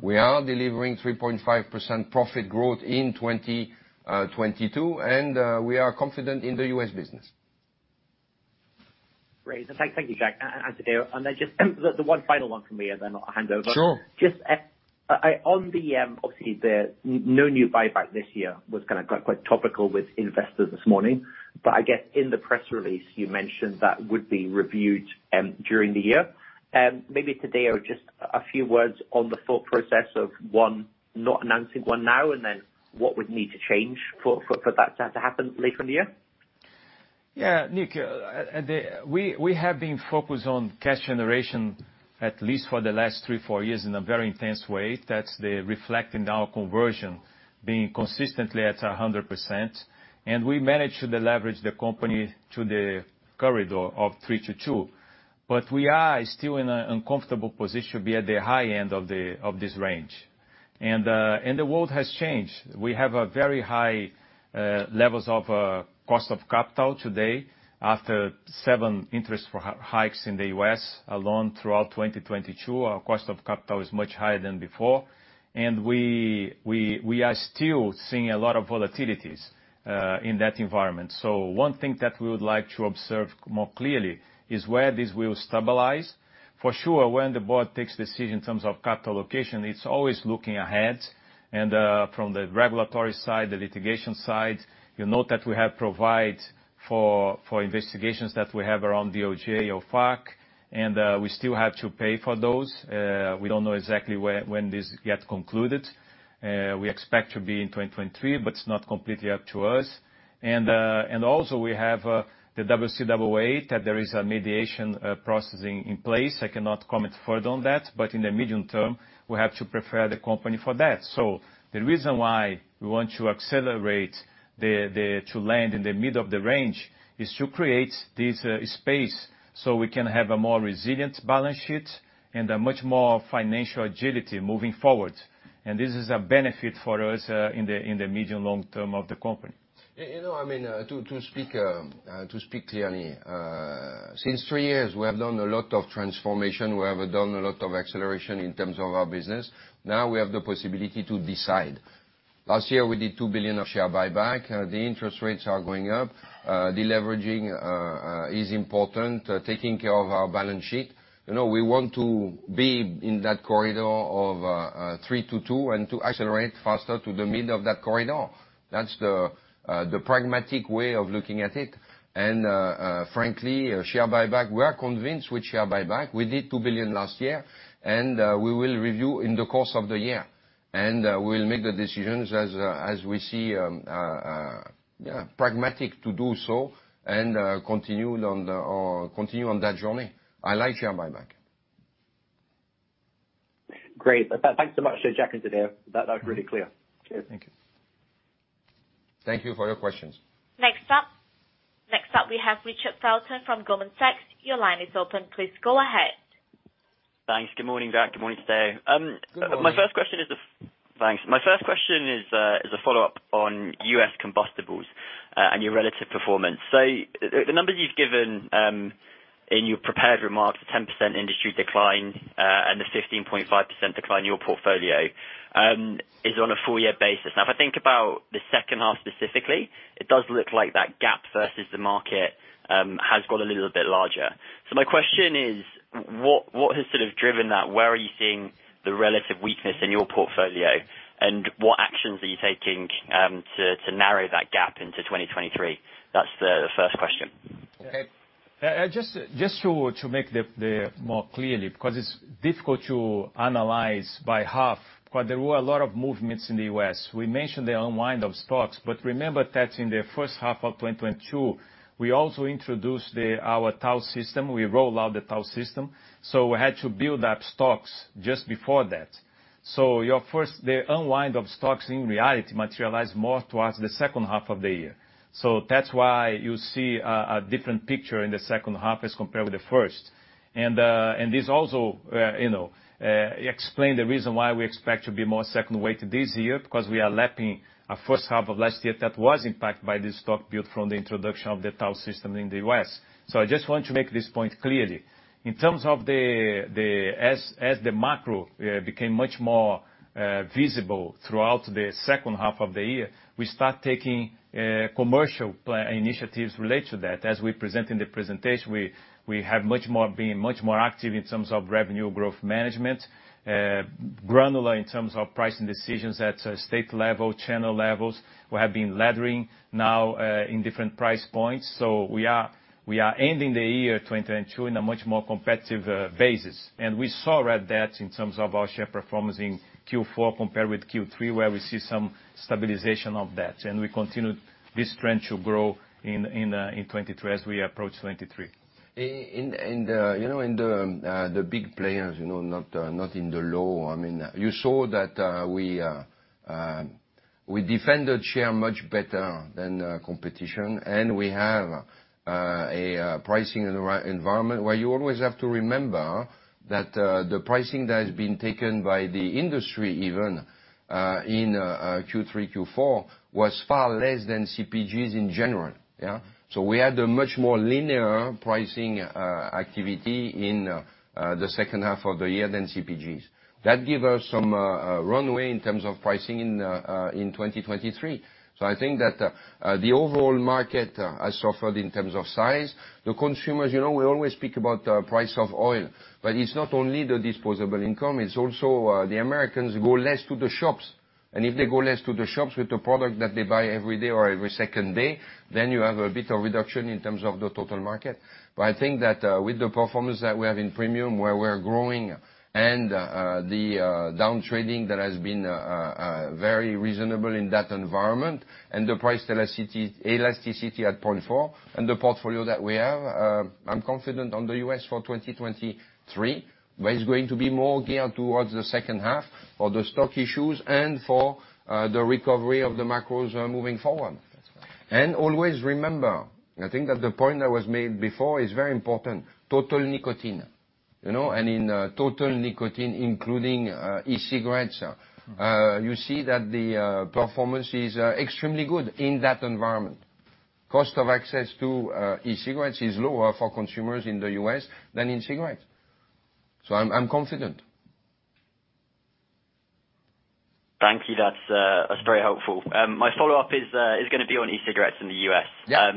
We are delivering 3.5% profit growth in 2022, and we are confident in the U.S. business. Great. Thank you, Jack and Tadeu. Just the one final one from me, then I'll hand over. Sure. Just on the obviously the no new buyback this year was kinda, got quite topical with investors this morning. I guess in the press release you mentioned that would be reviewed during the year. Maybe Tadeu, just a few words on the thought process of one, not announcing one now, and then what would need to change for that to have to happen later in the year? Nik, we have been focused on cash generation at least for the last foursevenyears in a very intense way. That's the reflect in our conversion being consistently at 100%. We managed to deleverage the company to the corridor of three to two. We are still in a uncomfortable position be at the high end of this range. The world has changed. We have a very high levels of cost of capital today after seven interest rate hikes in the U.S. alone throughout 2022. Our cost of capital is much higher than before. We are still seeing a lot of volatilities in that environment. One thing that we would like to observe more clearly is where this will stabilize. For sure, when the board takes decision in terms of capital allocation, it's always looking ahead from the regulatory side, the litigation side, you note that we have provide for investigations that we have around DOJ or OFAC, we still have to pay for those. We don't know exactly when this get concluded. We expect to be in 2023, it's not completely up to us. Also we have the CCAA, that there is a mediation processing in place. I cannot comment further on that, in the medium term, we have to prepare the company for that. The reason why we want to accelerate the to land in the middle of the range is to create this space so we can have a more resilient balance sheet and a much more financial agility moving forward. This is a benefit for us in the medium long term of the company. Yeah, you know, I mean, to speak clearly, since three years, we have done a lot of transformation, we have done a lot of acceleration in terms of our business. Now we have the possibility to decide. Last year we did 2 billion of share buyback. The interest rates are going up. Deleveraging is important, taking care of our balance sheet. You know, we want to be in that corridor of two-three and to accelerate faster to the middle of that corridor. That's the pragmatic way of looking at it. Frankly, share buyback, we are convinced with share buyback. We did 2 billion last year, and we will review in the course of the year. We'll make the decisions as we see pragmatic to do so and continue on that journey. I like share buyback. Great. Thanks so much, Jack and Tadeu. That was really clear. Cheers. Thank you. Thank you for your questions. Next up, we have Richard Felton from Goldman Sachs. Your line is open. Please go ahead. Thanks. Good morning, Jack. Good morning, Tadeu. Good morning. Thanks. My first question is a follow-up on U.S. combustibles and your relative performance. The numbers you've given in your prepared remarks, the 10% industry decline and the 15.5% decline in your portfolio, is on a full-year basis. If I think about the second half specifically, it does look like that gap versus the market has got a little bit larger. My question is, what has sort of driven that? Where are you seeing the relative weakness in your portfolio? What actions are you taking to narrow that gap into 2023? That's the first question. Okay. Just to make the more clearly, because it's difficult to analyze by half, there were a lot of movements in the U.S. We mentioned the unwind of stocks. Remember that in the H1 of 2022, we also introduced our TAO system. We roll out the TAO system, so we had to build up stocks just before that. The unwind of stocks in reality materialized more towards the second half of the year. That's why you see a different picture in the second half as compared with the first. This also, you know, explain the reason why we expect to be more second weight this year, because we are lapping a first half of last year that was impacted by this stock built from the introduction of the TAO system in the U.S. I just want to make this point clearly. As the macro became much more visible throughout the second half of the year, we start taking commercial initiatives related to that. As we present in the presentation, we have been much more active in terms of revenue growth management, granular in terms of pricing decisions at a state level, channel levels. We have been laddering now in different price points. We are ending the year 2022 in a much more competitive basis. We saw that in terms of our share performance in Q4 compared with Q3, where we see some stabilization of that, and we continue this trend to grow in 2022 as we approach 2023. In the, you know, in the big players, you know, not in the low, I mean, you saw that we defended share much better than the competition, and we have a pricing environment where you always have to remember that the pricing that has been taken by the industry even in Q3, Q4 was far less than CPGs in general. We had a much more linear pricing activity in the second half of the year than CPGs. That give us some runway in terms of pricing in 2023. I think that the overall market has suffered in terms of size. The consumers, you know, we always speak about, price of oil, but it's not only the disposable income, it's also, the Americans go less to the shops. If they go less to the shops with the product that they buy every day or every second day, then you have a bit of reduction in terms of the total market. I think that, with the performance that we have in premium, where we're growing and, the down trading that has been very reasonable in that environment and the price elasticity at 0.4 and the portfolio that we have, I'm confident on the U.S. for 2023, but it's going to be more geared towards the second half for the stock issues and for the recovery of the macros moving forward. Always remember, I think that the point that was made before is very important. Total nicotine. You know, in total nicotine, including e-cigarettes, you see that the performance is extremely good in that environment. Cost of access to e-cigarettes is lower for consumers in the U.S. than in cigarettes. I'm confident. Thank you. That's very helpful. My follow-up is going to be on e-cigarettes in the U.S. Yeah.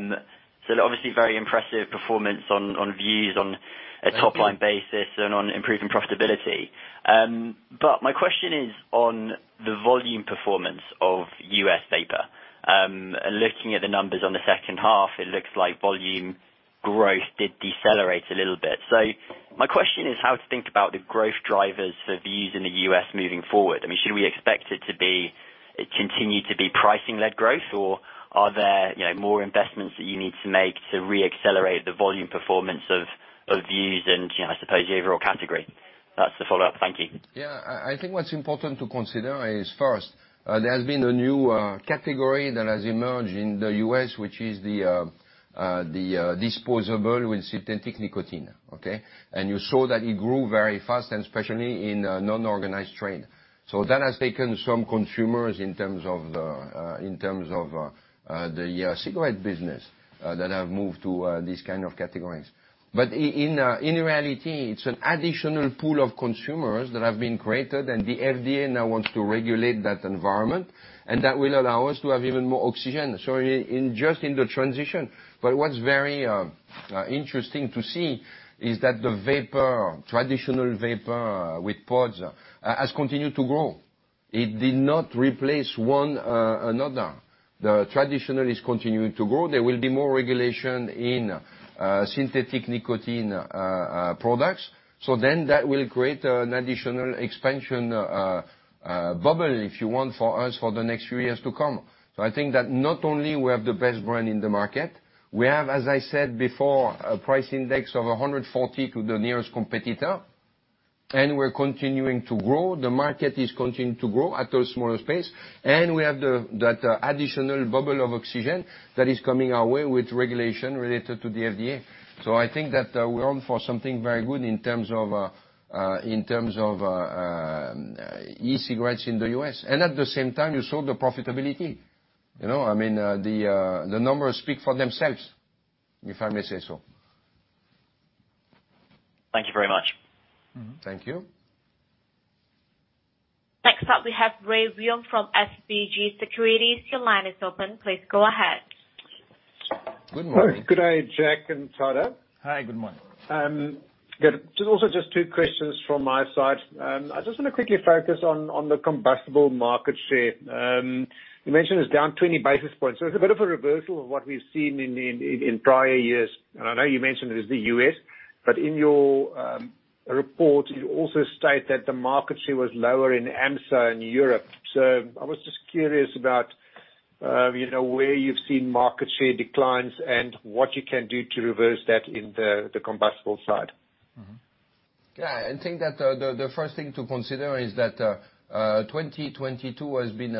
Obviously, very impressive performance on views on a top line basis and on improving profitability. My question is on the volume performance of U.S. vapor. Looking at the numbers on the second half, it looks like volume growth did decelerate a little bit. My question is how to think about the growth drivers for Vuse in the U.S. moving forward. I mean, should we expect it to continue to be pricing-led growth, or are there, you know, more investments that you need to make to reaccelerate the volume performance of Vuse and, you know, I suppose the overall category? That's the follow-up. Thank you. Yeah. I think what's important to consider is, first, there has been a new category that has emerged in the U.S., which is the disposable with synthetic nicotine, okay? You saw that it grew very fast, and especially in non-organized trade. That has taken some consumers in terms of the cigarette business that have moved to these kind of categories. In reality, it's an additional pool of consumers that have been created, and the FDA now wants to regulate that environment, and that will allow us to have even more oxygen. In, just in the transition. What's very interesting to see is that the vapor, traditional vapor with pods has continued to grow. It did not replace one another. The traditional is continuing to grow. There will be more regulation in synthetic nicotine products. That will create an additional expansion bubble, if you want, for us for the next few years to come. I think that not only we have the best brand in the market, we have, as I said before, a price index of 140 to the nearest competitor, and we're continuing to grow. The market is continuing to grow at a smaller space. We have that additional bubble of oxygen that is coming our way with regulation related to the FDA. I think that we're on for something very good in terms of in terms of e-cigarettes in the U.S. At the same time, you saw the profitability. You know, I mean, the numbers speak for themselves, if I may say so. Thank you very much. Thank you. Next up, we have Reya Wium from SBG Securities. Your line is open. Please go ahead. Good morning. Good day, Jacques and Tyler. Hi, good morning. Good. Just also just two questions from my side. I just wanna quickly focus on the combustible market share. You mentioned it's down 20 basis points. It's a bit of a reversal of what we've seen in prior years. I know you mentioned it is the U.S., but in your report, you also state that the market share was lower in Amsa in Europe. I was just curious about, you know, where you've seen market share declines and what you can do to reverse that in the combustible side. Mm-hmm. Yeah, I think that the first thing to consider is that 2022 has been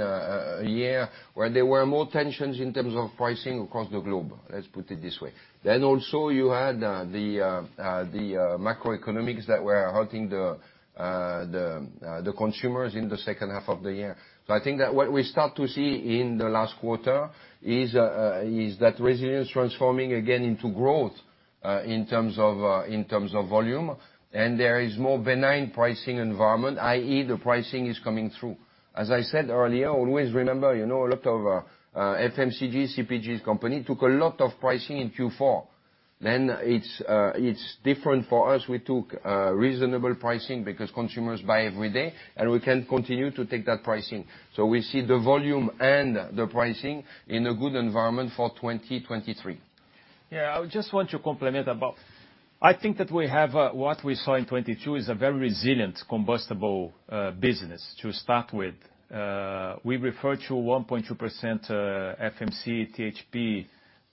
a year where there were more tensions in terms of pricing across the globe. Let's put it this way. Also you had the macroeconomics that were hurting the consumers in the second half of the year. I think that what we start to see in the last quarter is that resilience transforming again into growth in terms of volume. There is more benign pricing environment, i.e. the pricing is coming through. As I said earlier, always remember, you know, a lot of FMCG, CPGs company took a lot of pricing in Q4. It's different for us. We took reasonable pricing because consumers buy every day, and we can continue to take that pricing. We see the volume and the pricing in a good environment for 2023. I just want to compliment. I think that we have what we saw in 2022 is a very resilient combustible business to start with. We refer to 1.2% FMC, THP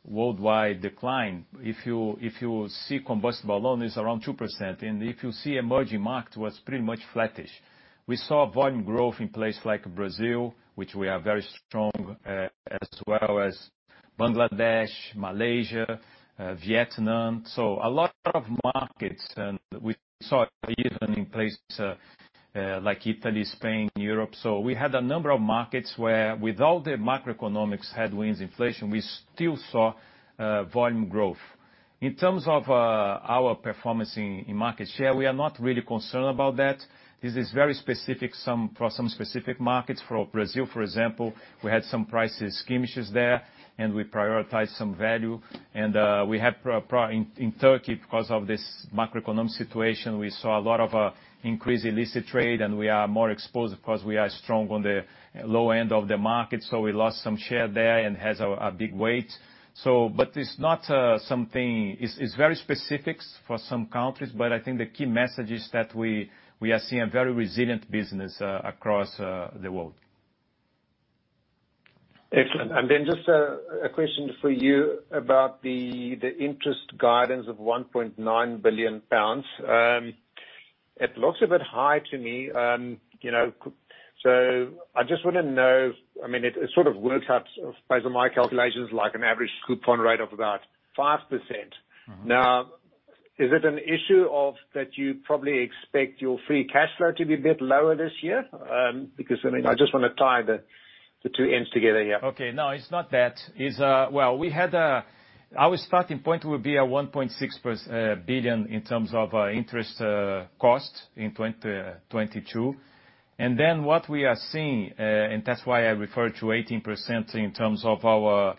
worldwide decline. If you see combustible alone, it's around 2%. If you see emerging market, was pretty much flattish. We saw volume growth in place like Brazil, which we are very strong, as well as Bangladesh, Malaysia, Vietnam. A lot of markets. We saw it even in places like Italy, Spain, Europe. We had a number of markets where with all the macroeconomics headwinds, inflation, we still saw volume growth. In terms of our performance in market share, we are not really concerned about that. This is very specific for some specific markets. For Brazil, for example, we had some price skirmishes there, and we prioritized some value. We had in Turkey because of this macroeconomic situation, we saw a lot of increased illicit trade. We are more exposed, of course, we are strong on the low end of the market, so we lost some share there and has a big weight. But it's not something. It's very specifics for some countries, but I think the key message is that we are seeing a very resilient business across the world. Excellent. Just a question for you about the interest guidance of 1.9 billion pounds. It looks a bit high to me, you know. I just wanna know. I mean, it sort of works out, based on my calculations, like an average coupon rate of about 5%. Mm-hmm. Is it an issue of that you probably expect your free cash flow to be a bit lower this year? I mean, I just wanna tie the two ends together here. Okay. No, it's not that. It's. Well, we had. Our starting point would be at 1.6 billion in terms of interest cost in 2022. What we are seeing, and that's why I refer to 18% in terms of our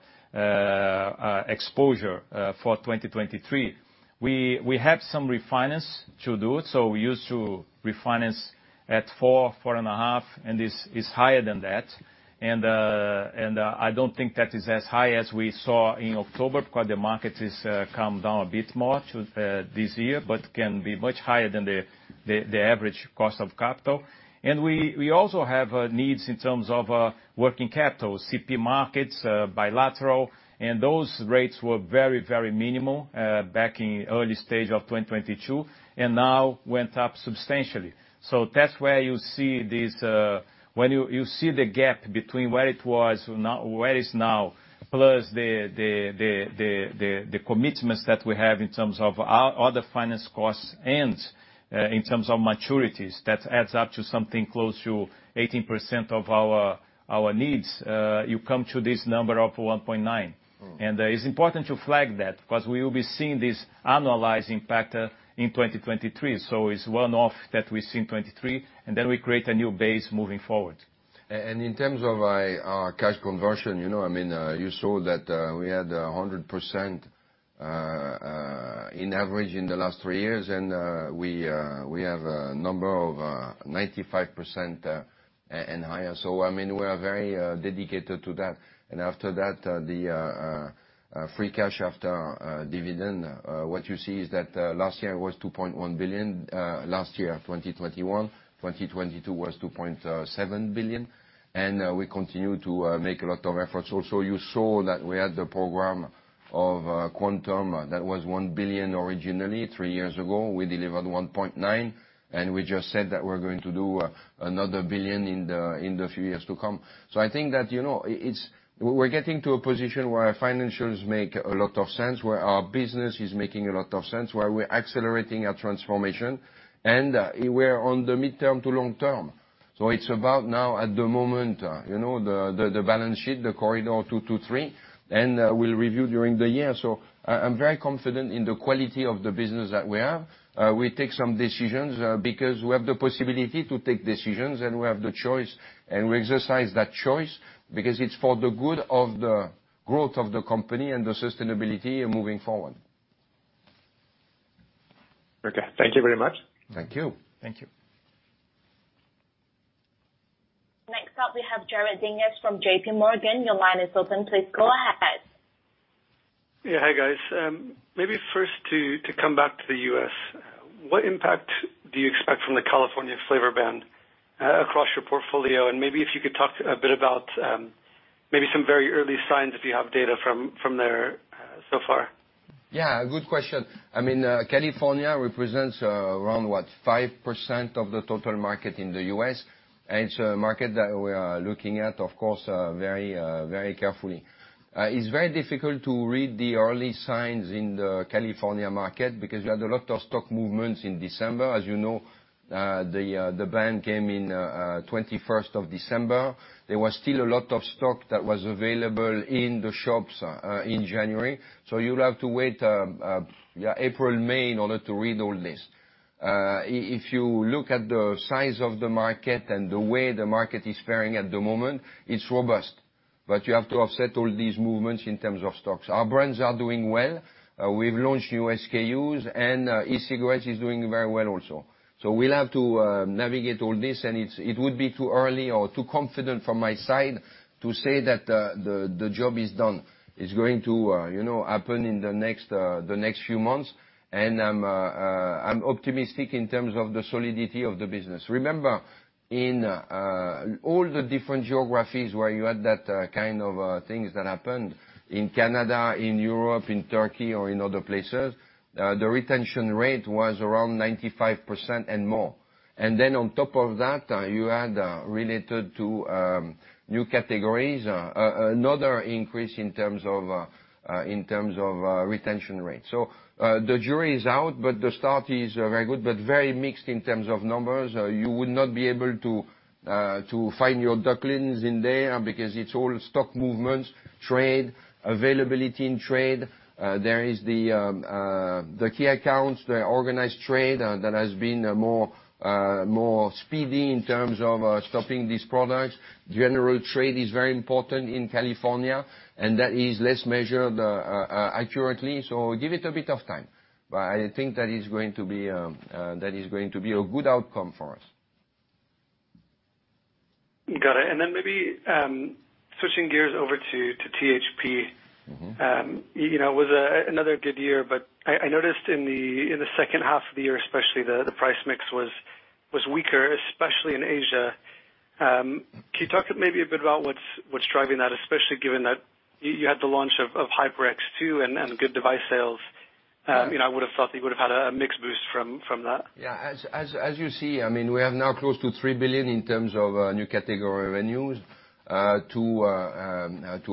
exposre for 2023, we have some refinance to do. We used to refinance at 4%-4.5%. This is higher than that. I don't think that is as high as we saw in October because the market is come down a bit more to this year, can be much higher than the average cost of capital. We also have needs in terms of working capital, CP markets, bilateral, and those rates were very, very minimal back in early stage of 2022, and now went up substantially. That's where you see this when you see the gap between where it is now, plus the commitments that we have in terms of our other finance costs and in terms of maturities, that adds up to something close to 18% of our needs. You come to this number of 1.9x. Mm. It's important to flag that because we will be seeing this annualizing factor in 2023. It's one-off that we see in 2023, and then we create a new base moving forward. In terms of our cash conversion, you know, I mean, you saw that we had 100% in average in the last three years, and we have a number of 95% and higher. I mean, we are very dedicated to that. After that, the free cash after dividend, what you see is that last year was 2.1 billion, last year, 2021. 2022 was 2.7 billion. We continue to make a lot of efforts. Also, you saw that we had the program of Quantum that was 1 billion originally three years ago. We delivered 1.9 billion, and we just said that we're going to do another 1 billion in the few years to come. I think that, you know, we're getting to a position where our financials make a lot of sense, where our business is making a lot of sense, where we're accelerating our transformation, and we're on the midterm to long term. It's about now at the moment, you know, the balance sheet, the corridor two, three, and we'll review during the year. I'm very confident in the quality of the business that we have. We take some decisions because we have the possibility to take decisions, and we have the choice, and we exercise that choice because it's for the good of the growth of the company and the sustainability moving forward. Okay. Thank you very much. Thank you. Thank you. Next up, we have Jared Dinges from JPMorgan. Your line is open. Please go ahead. Hi, guys. Maybe first to come back to the U.S. What impact do you expect from the California flavor ban across your portfolio? Maybe if you could talk a bit about, maybe some very early signs if you have data from there so far? Good question. I mean, California represents around what? 5% of the total market in the U.S. It's a market that we are looking at, of course, .very carefully. It's very difficul read the early signs in the California market because we had a lot of stock movements in December. As you know, the ban came in 21st of December. There was still a lot of stock that was available in the shops in January. You'll have to wait April, May in order to read all this. If you look at the size of the market and the way the market is faring at the moment, it's robust. You have to offset all these movements in terms of stocks. Our brands are doing well. We've launched new SKUs, and e-cigarette is doing very well also. We'll have to navigate all this, and it's, it would be too early or too confident from my side to say that the job is done. It's going to, you know, happen in the next few months. I'm optimistic in terms of the solidity of the business. Remember, in all the different geographies where you had that kind of things that happened, in Canada, in Europe, in Turkey, or in other places, the retention rate was around 95% and more. Then on top of that, you had related to new categories, another increase in terms of retention rates. The jury is out, but the start is very good, but very mixed in terms of numbers. You would not be able to find your ducklings in there because it's all stock movements, trade, availability in trade. There is the key accounts, the organized trade, that has been more speedy in terms of stopping these products. General trade is very important in California, and that is less measured accurately, so give it a bit of time. I think that is going to be that is going to be a good outcome for us. Got it. Maybe switching gears over to THP. Mm-hmm. You know, it was another good year. I noticed in the second half of the year especially, the price mix was weaker, especially in Asia. Can you talk maybe a bit about what's driving that, especially given that you had the launch of glo hyper X2 and good device sales? You know, I would've thought you would've had a mix boost from that. Yeah. As you see, I mean, we have now close to 3 billion in terms of new category revenues, to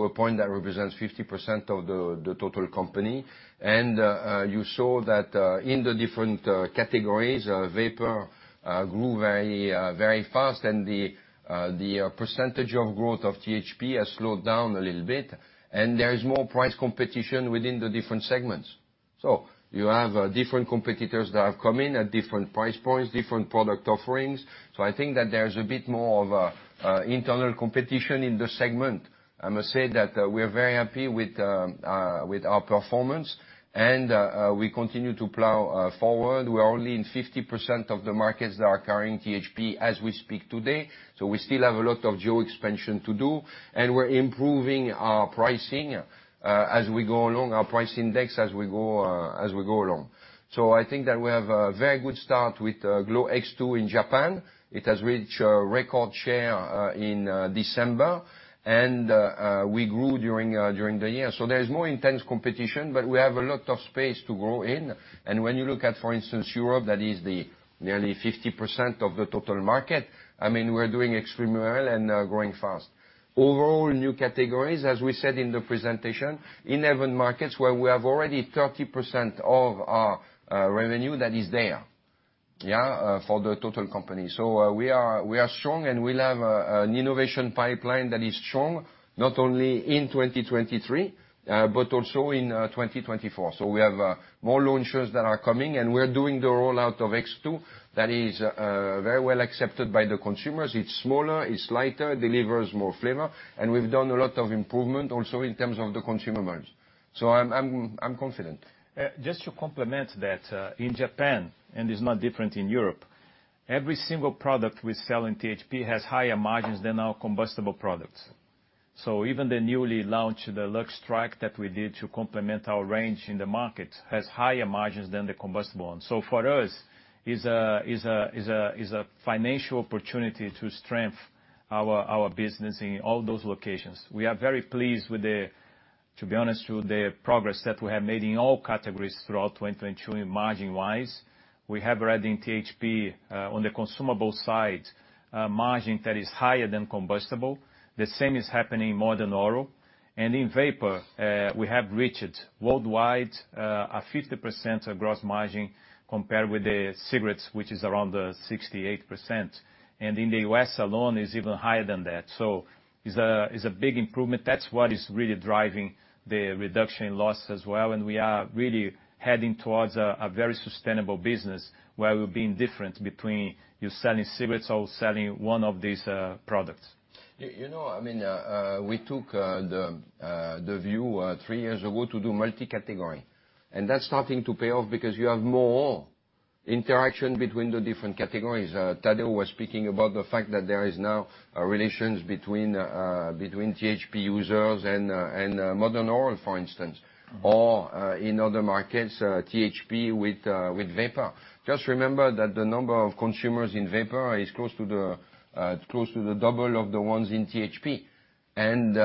a point that represents 50% of the total company. You saw that in the different categories, vapor grew very fast, and the percentage of growth of THP has slowed down a little bit. There is more price competition within the different segments. You have different competitors that have come in at different price points, different product offerings. I think that there's a bit more of internal competition in the segment. I must say that we are very happy with our performance and we continue to plow forward. We are only in 50% of the markets that are carrying THP as we speak today, so we still have a lot of geo expansion to do. We're improving our pricing, as we go along, our price index as we go along. I think that we have a very good start with glo X2 in Japan. It has reached record share in December. We grew during the year. There's more intense competition, but we have a lot of space to grow in. When you look at, for instance, Europe, that is the nearly 50% of the total market, I mean, we're doing extremely well and growing fast. Overall, new categories, as we said in the presentation, in 7 markets where we have already 30% of our revenue that is there, yeah, for the total company. We are strong, and we'll have an innovation pipeline that is strong, not only in 2023, but also in 2024. We have more launches that are coming, and we're doing the rollout of X2 that is very well accepted by the consumers. It's smaller, it's lighter, delivers more flavor, and we've done a lot of improvement also in terms of the consumer migration. I'm confident. Just to complement that. In Japan, and it's not different in Europe, every single product we sell in THP has higher margins than our combustible products. Even the newly launched, the Lucky Strike that we did to complement our range in the market, has higher margins than the combustible ones. We are very pleased with the, to be honest with you, the progress that we have made in all categories throughout 2022 margin-wise. We have already in THP, on the consumable side, a margin that is higher than combustible. The same is happening in modern oral. In vapor, we have reached worldwide, a 50% gross margin compared with the cigarettes, which is around 68%. In the U.S. alone, it's even higher than that. It's a big improvement. That's what is really driving the reduction in loss as well, and we are really heading towards a very sustainable business where we're being different between you selling cigarettes or selling one of these products. You know, I mean, we took the view three years ago to do multi-category, and that's starting to pay off because you have more interaction between the different categories. Tadeu was speaking about the fact that there is now relations between THP users and modern oral, for instance. Or in other markets, THP with vapor. Just remember that the number of consumers in vapor is close to the double of the ones in THP. And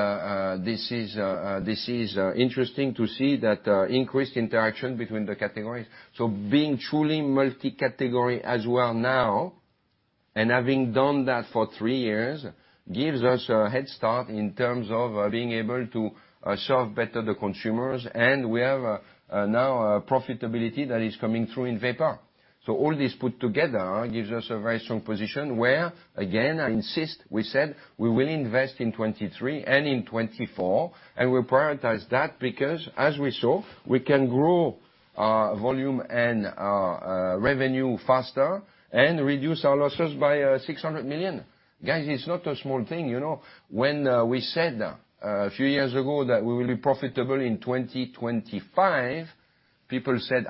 this is interesting to see that increased interaction between the categories. So being truly multi-category as well now, and having done that for three years, gives us a head start in terms of being able to serve better the consumers. We have now a profitability that is coming through in vapor. All this put together gives us a very strong position where, again, I insist, we said we will invest in 2023 and in 2024, and we prioritize that because, as we saw, we can grow our volume and our revenue faster and reduce our losses by 600 million. Guys, it's not a small thing, you know. When we said a few years ago that we will be profitable in 2025, people said,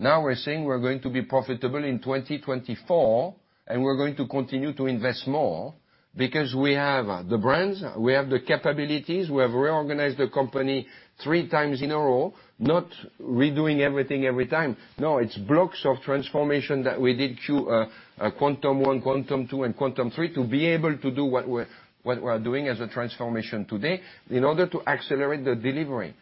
"Ha-ha." We're saying we're going to be profitable in 2024, and we're going to continue to invest more because we have the brands, we have the capabilities, we have reorganized the company three times in a row, not redoing everything every time. No, it's blocks of transformation that we did, Quantum one, Quantum two, and Quantum three to be able to do what we're doing as a transformation today in order to accelerate the delivery.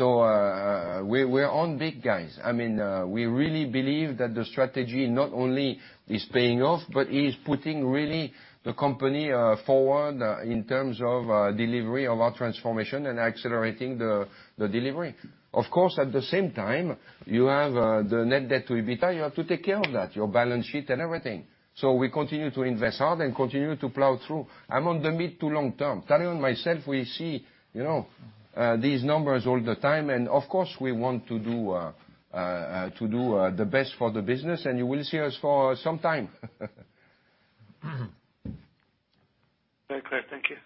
We're on big, guys. I mean, we really believe that the strategy not only is paying off but is putting really the company forward in terms of delivery of our transformation and accelerating the delivery. Of course, at the same time, you have the net debt to EBITDA. You have to take care of that, your balance sheet and everything. We continue to invest hard and continue to plow through. I'm on the mid to long term. Tadeu and myself, we see, you know, these numbers all the time. Of course, we want to do the best for the business. You will see us for some time. Very clear. Thank you.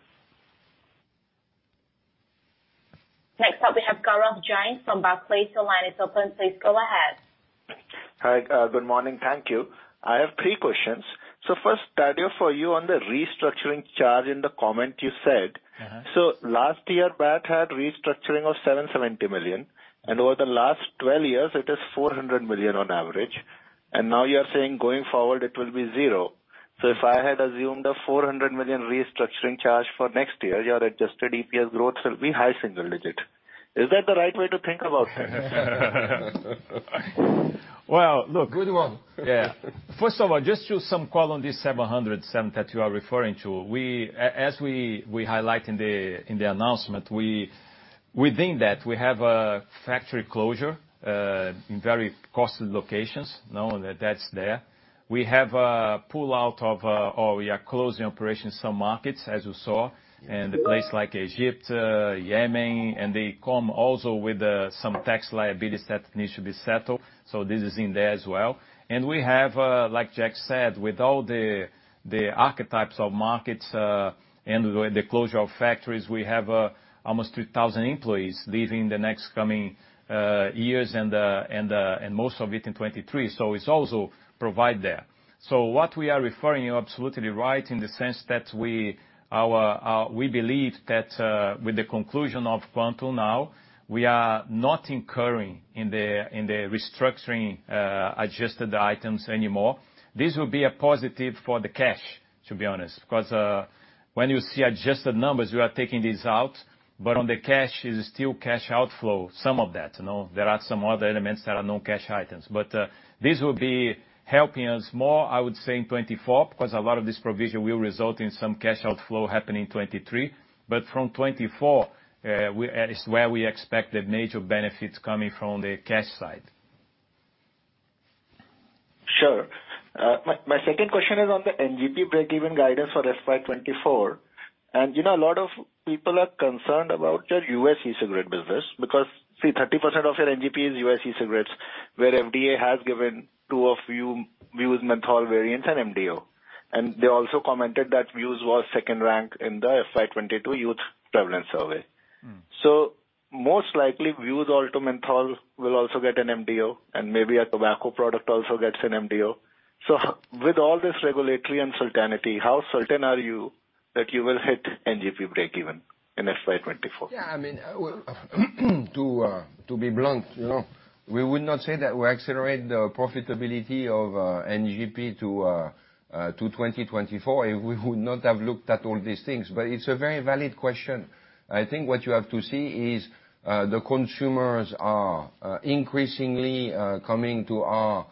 Next up we have Gaurav Jain from Barclays. Your line is open. Please go ahead. Hi, good morning. Thank you. I have three questions. First, Tadeu, for you on the restructuring charge in the comment you said. Mm-hmm. Last year, BAT had restructuring of 770 million, and over the last 12 years it is 400 million on average. Now you are saying going forward it will be zero. If I had assumed a 400 million restructuring charge for next year, your adjusted EPS growth will be high single digits. Is that the right way to think about it? Well, look- Good one. Yeah. First of all, just to some call on this 707 that you are referring to, as we highlight in the announcement, we, within that we have a factory closure in very costly locations. You know, that's there. We have a pull out of, or we are closing operations some markets, as you saw, in the place like Egypt, Yemen, and they come also with some tax liabilities that needs to be settled. This is in there as well. We have, like Jack said, with all the archetypes of markets and the closure of factories, we have almost 2,000 employees leaving the next coming years and most of it in 2023. It's also provide there. What we are referring, you're absolutely right in the sense that we believe that with the conclusion of Quantum now, we are not incurring in the restructuring adjusted items anymore. This will be a positive for the cash, to be honest, because when you see adjusted numbers, we are taking this out, but on the cash is still cash outflow, some of that, you know? There are some other elements that are non-cash items. This will be helping us more, I would say, in 2024 because a lot of this provision will result in some cash outflow happening in 2023. From 2024 is where we expect the major benefits coming from the cash side. Sure. My second question is on the NGP breakeven guidance for FY2024. You know, a lot of people are concerned about your U.S. e-cigarette business because, see, 30% of your NGP is U.S. e-cigarettes, where FDA has given two of Vuse menthol variants an MDO. They also commented that Vuse was second rank in the FY2022 youth prevalence survey. Mm. Most likely, Vuse Alto menthol will also get an MDO and maybe a tobacco product also gets an MDO. With all this regulatory uncertainty, how certain are you that you will hit NGP breakeven in FY2024? I mean, to be blunt, you know, we would not say that we accelerate the profitability of NGP to 2024 if we would not have looked at all these things. It's a very valid question. I think what you have to see is the consumers are increasingly coming to our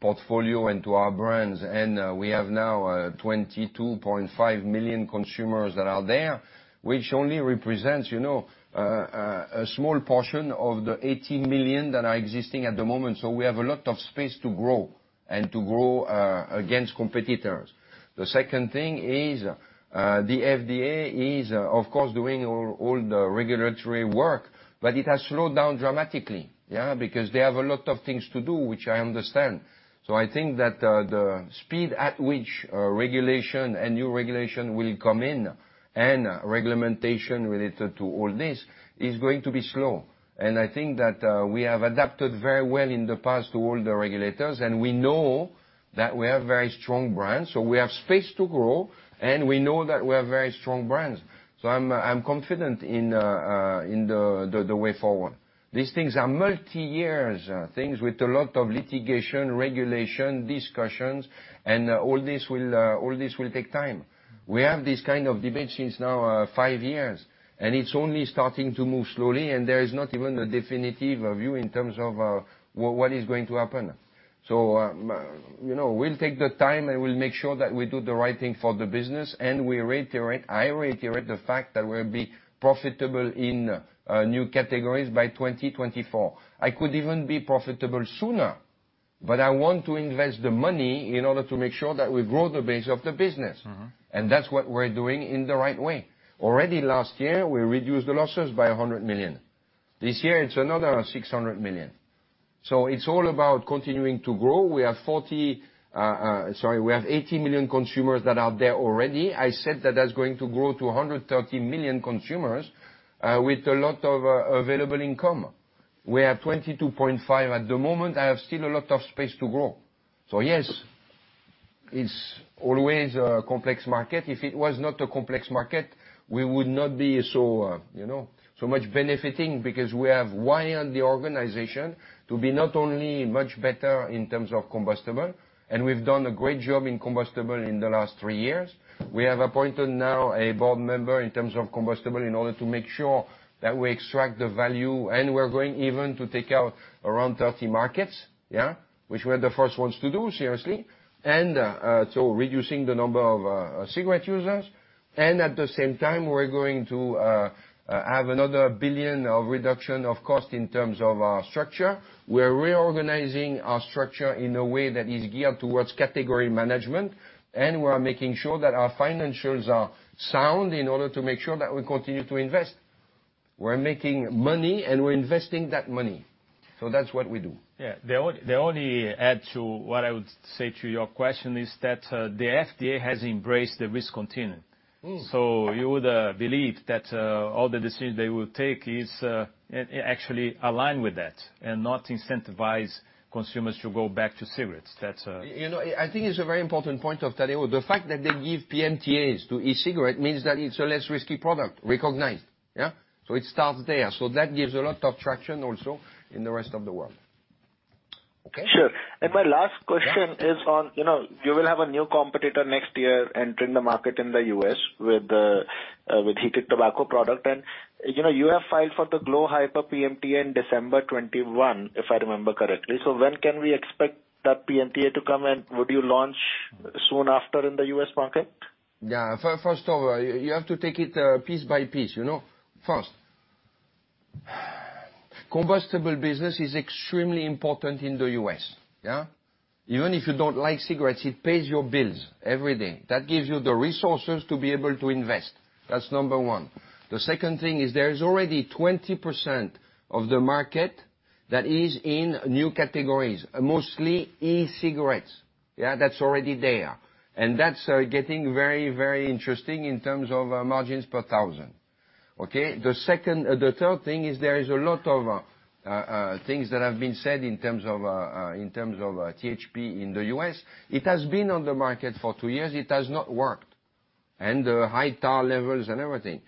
portfolio and to our brands. We have now 22.5 million consumers that are there, which only represents, you know, a small portion of the 80 million that are existing at the moment. We have a lot of space to grow and to grow against competitors. The second thing is, the FDA is of course doing all the regulatory work, but it has slowed down dramatically, because they have a lot of things to do, which I understand. I think that, the speed at which, regulation and new regulation will come in and regimentation related to all this is going to be slow. I think that, we have adapted very well in the past to all the regulators, and we know that we have very strong brands, so we have space to grow, and we know that we have very strong brands. I'm confident in the way forward. These things are multi-years, things with a lot of litigation, regulation, discussions, and all this will, all this will take time. We have this kind of debate since now, five years, and it's only starting to move slowly. There is not even a definitive view in terms of what is going to happen. You know, we'll take the time and we'll make sure that we do the right thing for the business. We reiterate, I reiterate the fact that we'll be profitable in new categories by 2024. I could even be profitable sooner, but I want to invest the money in order to make sure that we grow the base of the business. Mm-hmm. That's what we're doing in the right way. Already last year, we reduced the losses by 100 million. This year it's another 600 million. It's all about continuing to grow. We have 40, sorry, we have 80 million consumers that are there already. I said that that's going to grow to 130 million consumers with a lot of available income. We have 22.5 at the moment. I have still a lot of space to grow. Yes, it's always a complex market. If it was not a complex market, we would not be so, you know, so much benefiting because we have wired the organization to be not only much better in terms of combustible, and we've done a great job in combustible in the last three years. We have appointed now a board member in terms of combustible in order to make sure that we extract the value, and we're going even to take out around 30 markets, yeah? Which we're the first ones to do, seriously. So reducing the number of cigarette users. At the same time, we're going to have another 1 billion of reduction of cost in terms of our structure. We're reorganizing our structure in a way that is geared towards category management, and we are making sure that our financials are sound in order to make sure that we continue to invest. We're making money, and we're investing that money. That's what we do. The only add to what I would say to your question is that, the FDA has embraced the risk continuum. Mm. You would believe that all the decisions they will take is actually aligned with that and not incentivize consumers to go back to cigarettes. You know, I think it's a very important point of Tadeu. The fact that they give PMTAs to e-cigarette means that it's a less risky product, recognized. Yeah? It starts there. That gives a lot of traction also in the rest of the world. Okay? Sure. My last question. Yeah. is on, you know, you will have a new competitor next year entering the market in the U.S. with heated tobacco product. You know, you have filed for the glo Hyper PMTA in December 2021, if I remember correctly. When can we expect that PMTA to come, and would you launch soon after in the U.S. market? Yeah. First of all, you have to take it, piece by piece, you know? First, combustible business is extremely important in the U.S., yeah? Even if you don't like cigarettes, it pays your bills every day. That gives you the resources to be able to invest. That's number one. The second thing is there is already 20% of the market that is in new categories, mostly e-cigarettes. Yeah? That's already there. That's getting very, very interesting in terms of margins per thousand, okay? The third thing is there is a lot of things that have been said in terms of, in terms of THP in the U.S. It has been on the market for two years. It has not worked. The high tar levels and everything.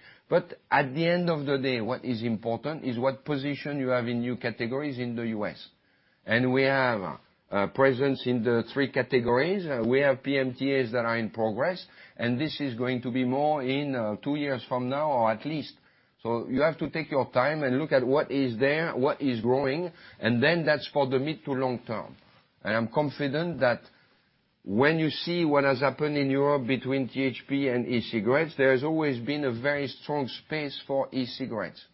At the end of the day, what is important is what position you have in new categories in the U.S. We have presence in the three categories. We have PMTAs that are in progress, and this is going to be more in two years from now or at least. You have to take your time and look at what is there, what is growing, and then that's for the mid to long term. I am confident that when you see what has happened in Europe between THP and e-cigarettes, there has always been a very strong space for e-cigarettes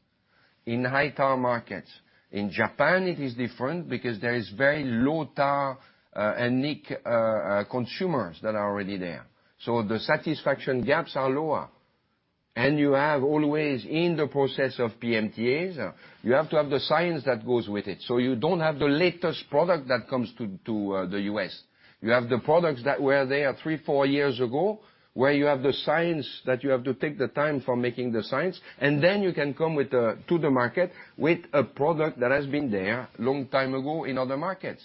in high-tar markets. In Japan, it is different because there is very low tar and nic consumers that are already there. The satisfaction gaps are lower. You have always, in the process of PMTAs, you have to have the science that goes with it. You don't have the latest product that comes to the U.S. You have the products that were there three, four years ago, where you have the science that you have to take the time for making the science, and then you can come with the, to the market with a product that has been there long time ago in other markets.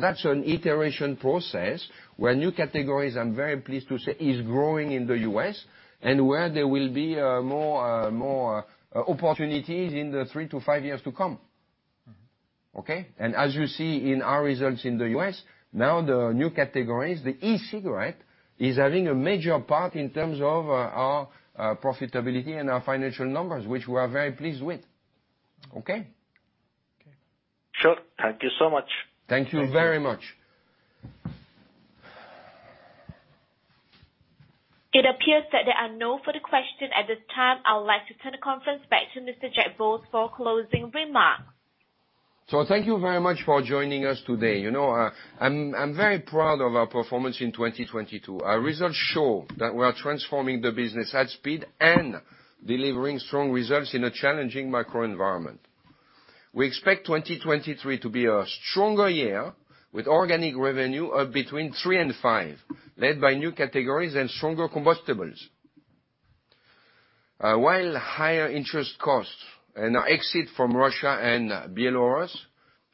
That's an iteration process where new categories, I'm very pleased to say, is growing in the U.S., and where there will be more opportunities in the three to five years to come. Mm-hmm. Okay? As you see in our results in the U.S., now the new categories, the e-cigarette, is having a major part in terms of our profitability and our financial numbers, which we are very pleased with. Okay? Okay. Sure. Thank you so much. Thank you very much. Thank you. It appears that there are no further question at this time. I would like to turn the conference back to Mr. Jack Bowles for closing remarks. Thank you very much for joining us today. You know, I'm very proud of our performance in 2022. Our results show that we are transforming the business at speed and delivering strong results in a challenging macroenvironment. We expect 2023 to be a stronger year with organic revenue of between 3% and 5%, led by new categories and stronger combustibles. While higher interest costs and our exit from Russia and Belarus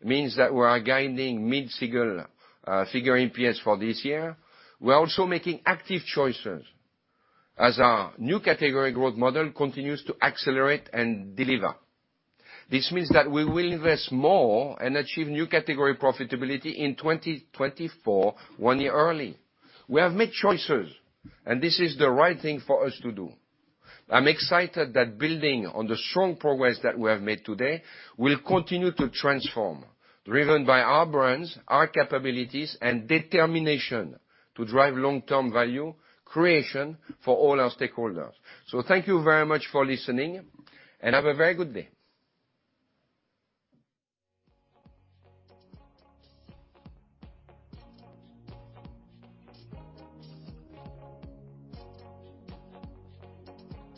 means that we are guiding mid single figure EPS for this year, we are also making active choices as our new category growth model continues to accelerate and deliver. This means that we will invest more and achieve new category profitability in 2024, one year early. We have made choices, and this is the right thing for us to do. I'm excited that building on the strong progress that we have made today will continue to transform, driven by our brands, our capabilities, and determination to drive long-term value creation for all our stakeholders. Thank you very much for listening, and have a very good day.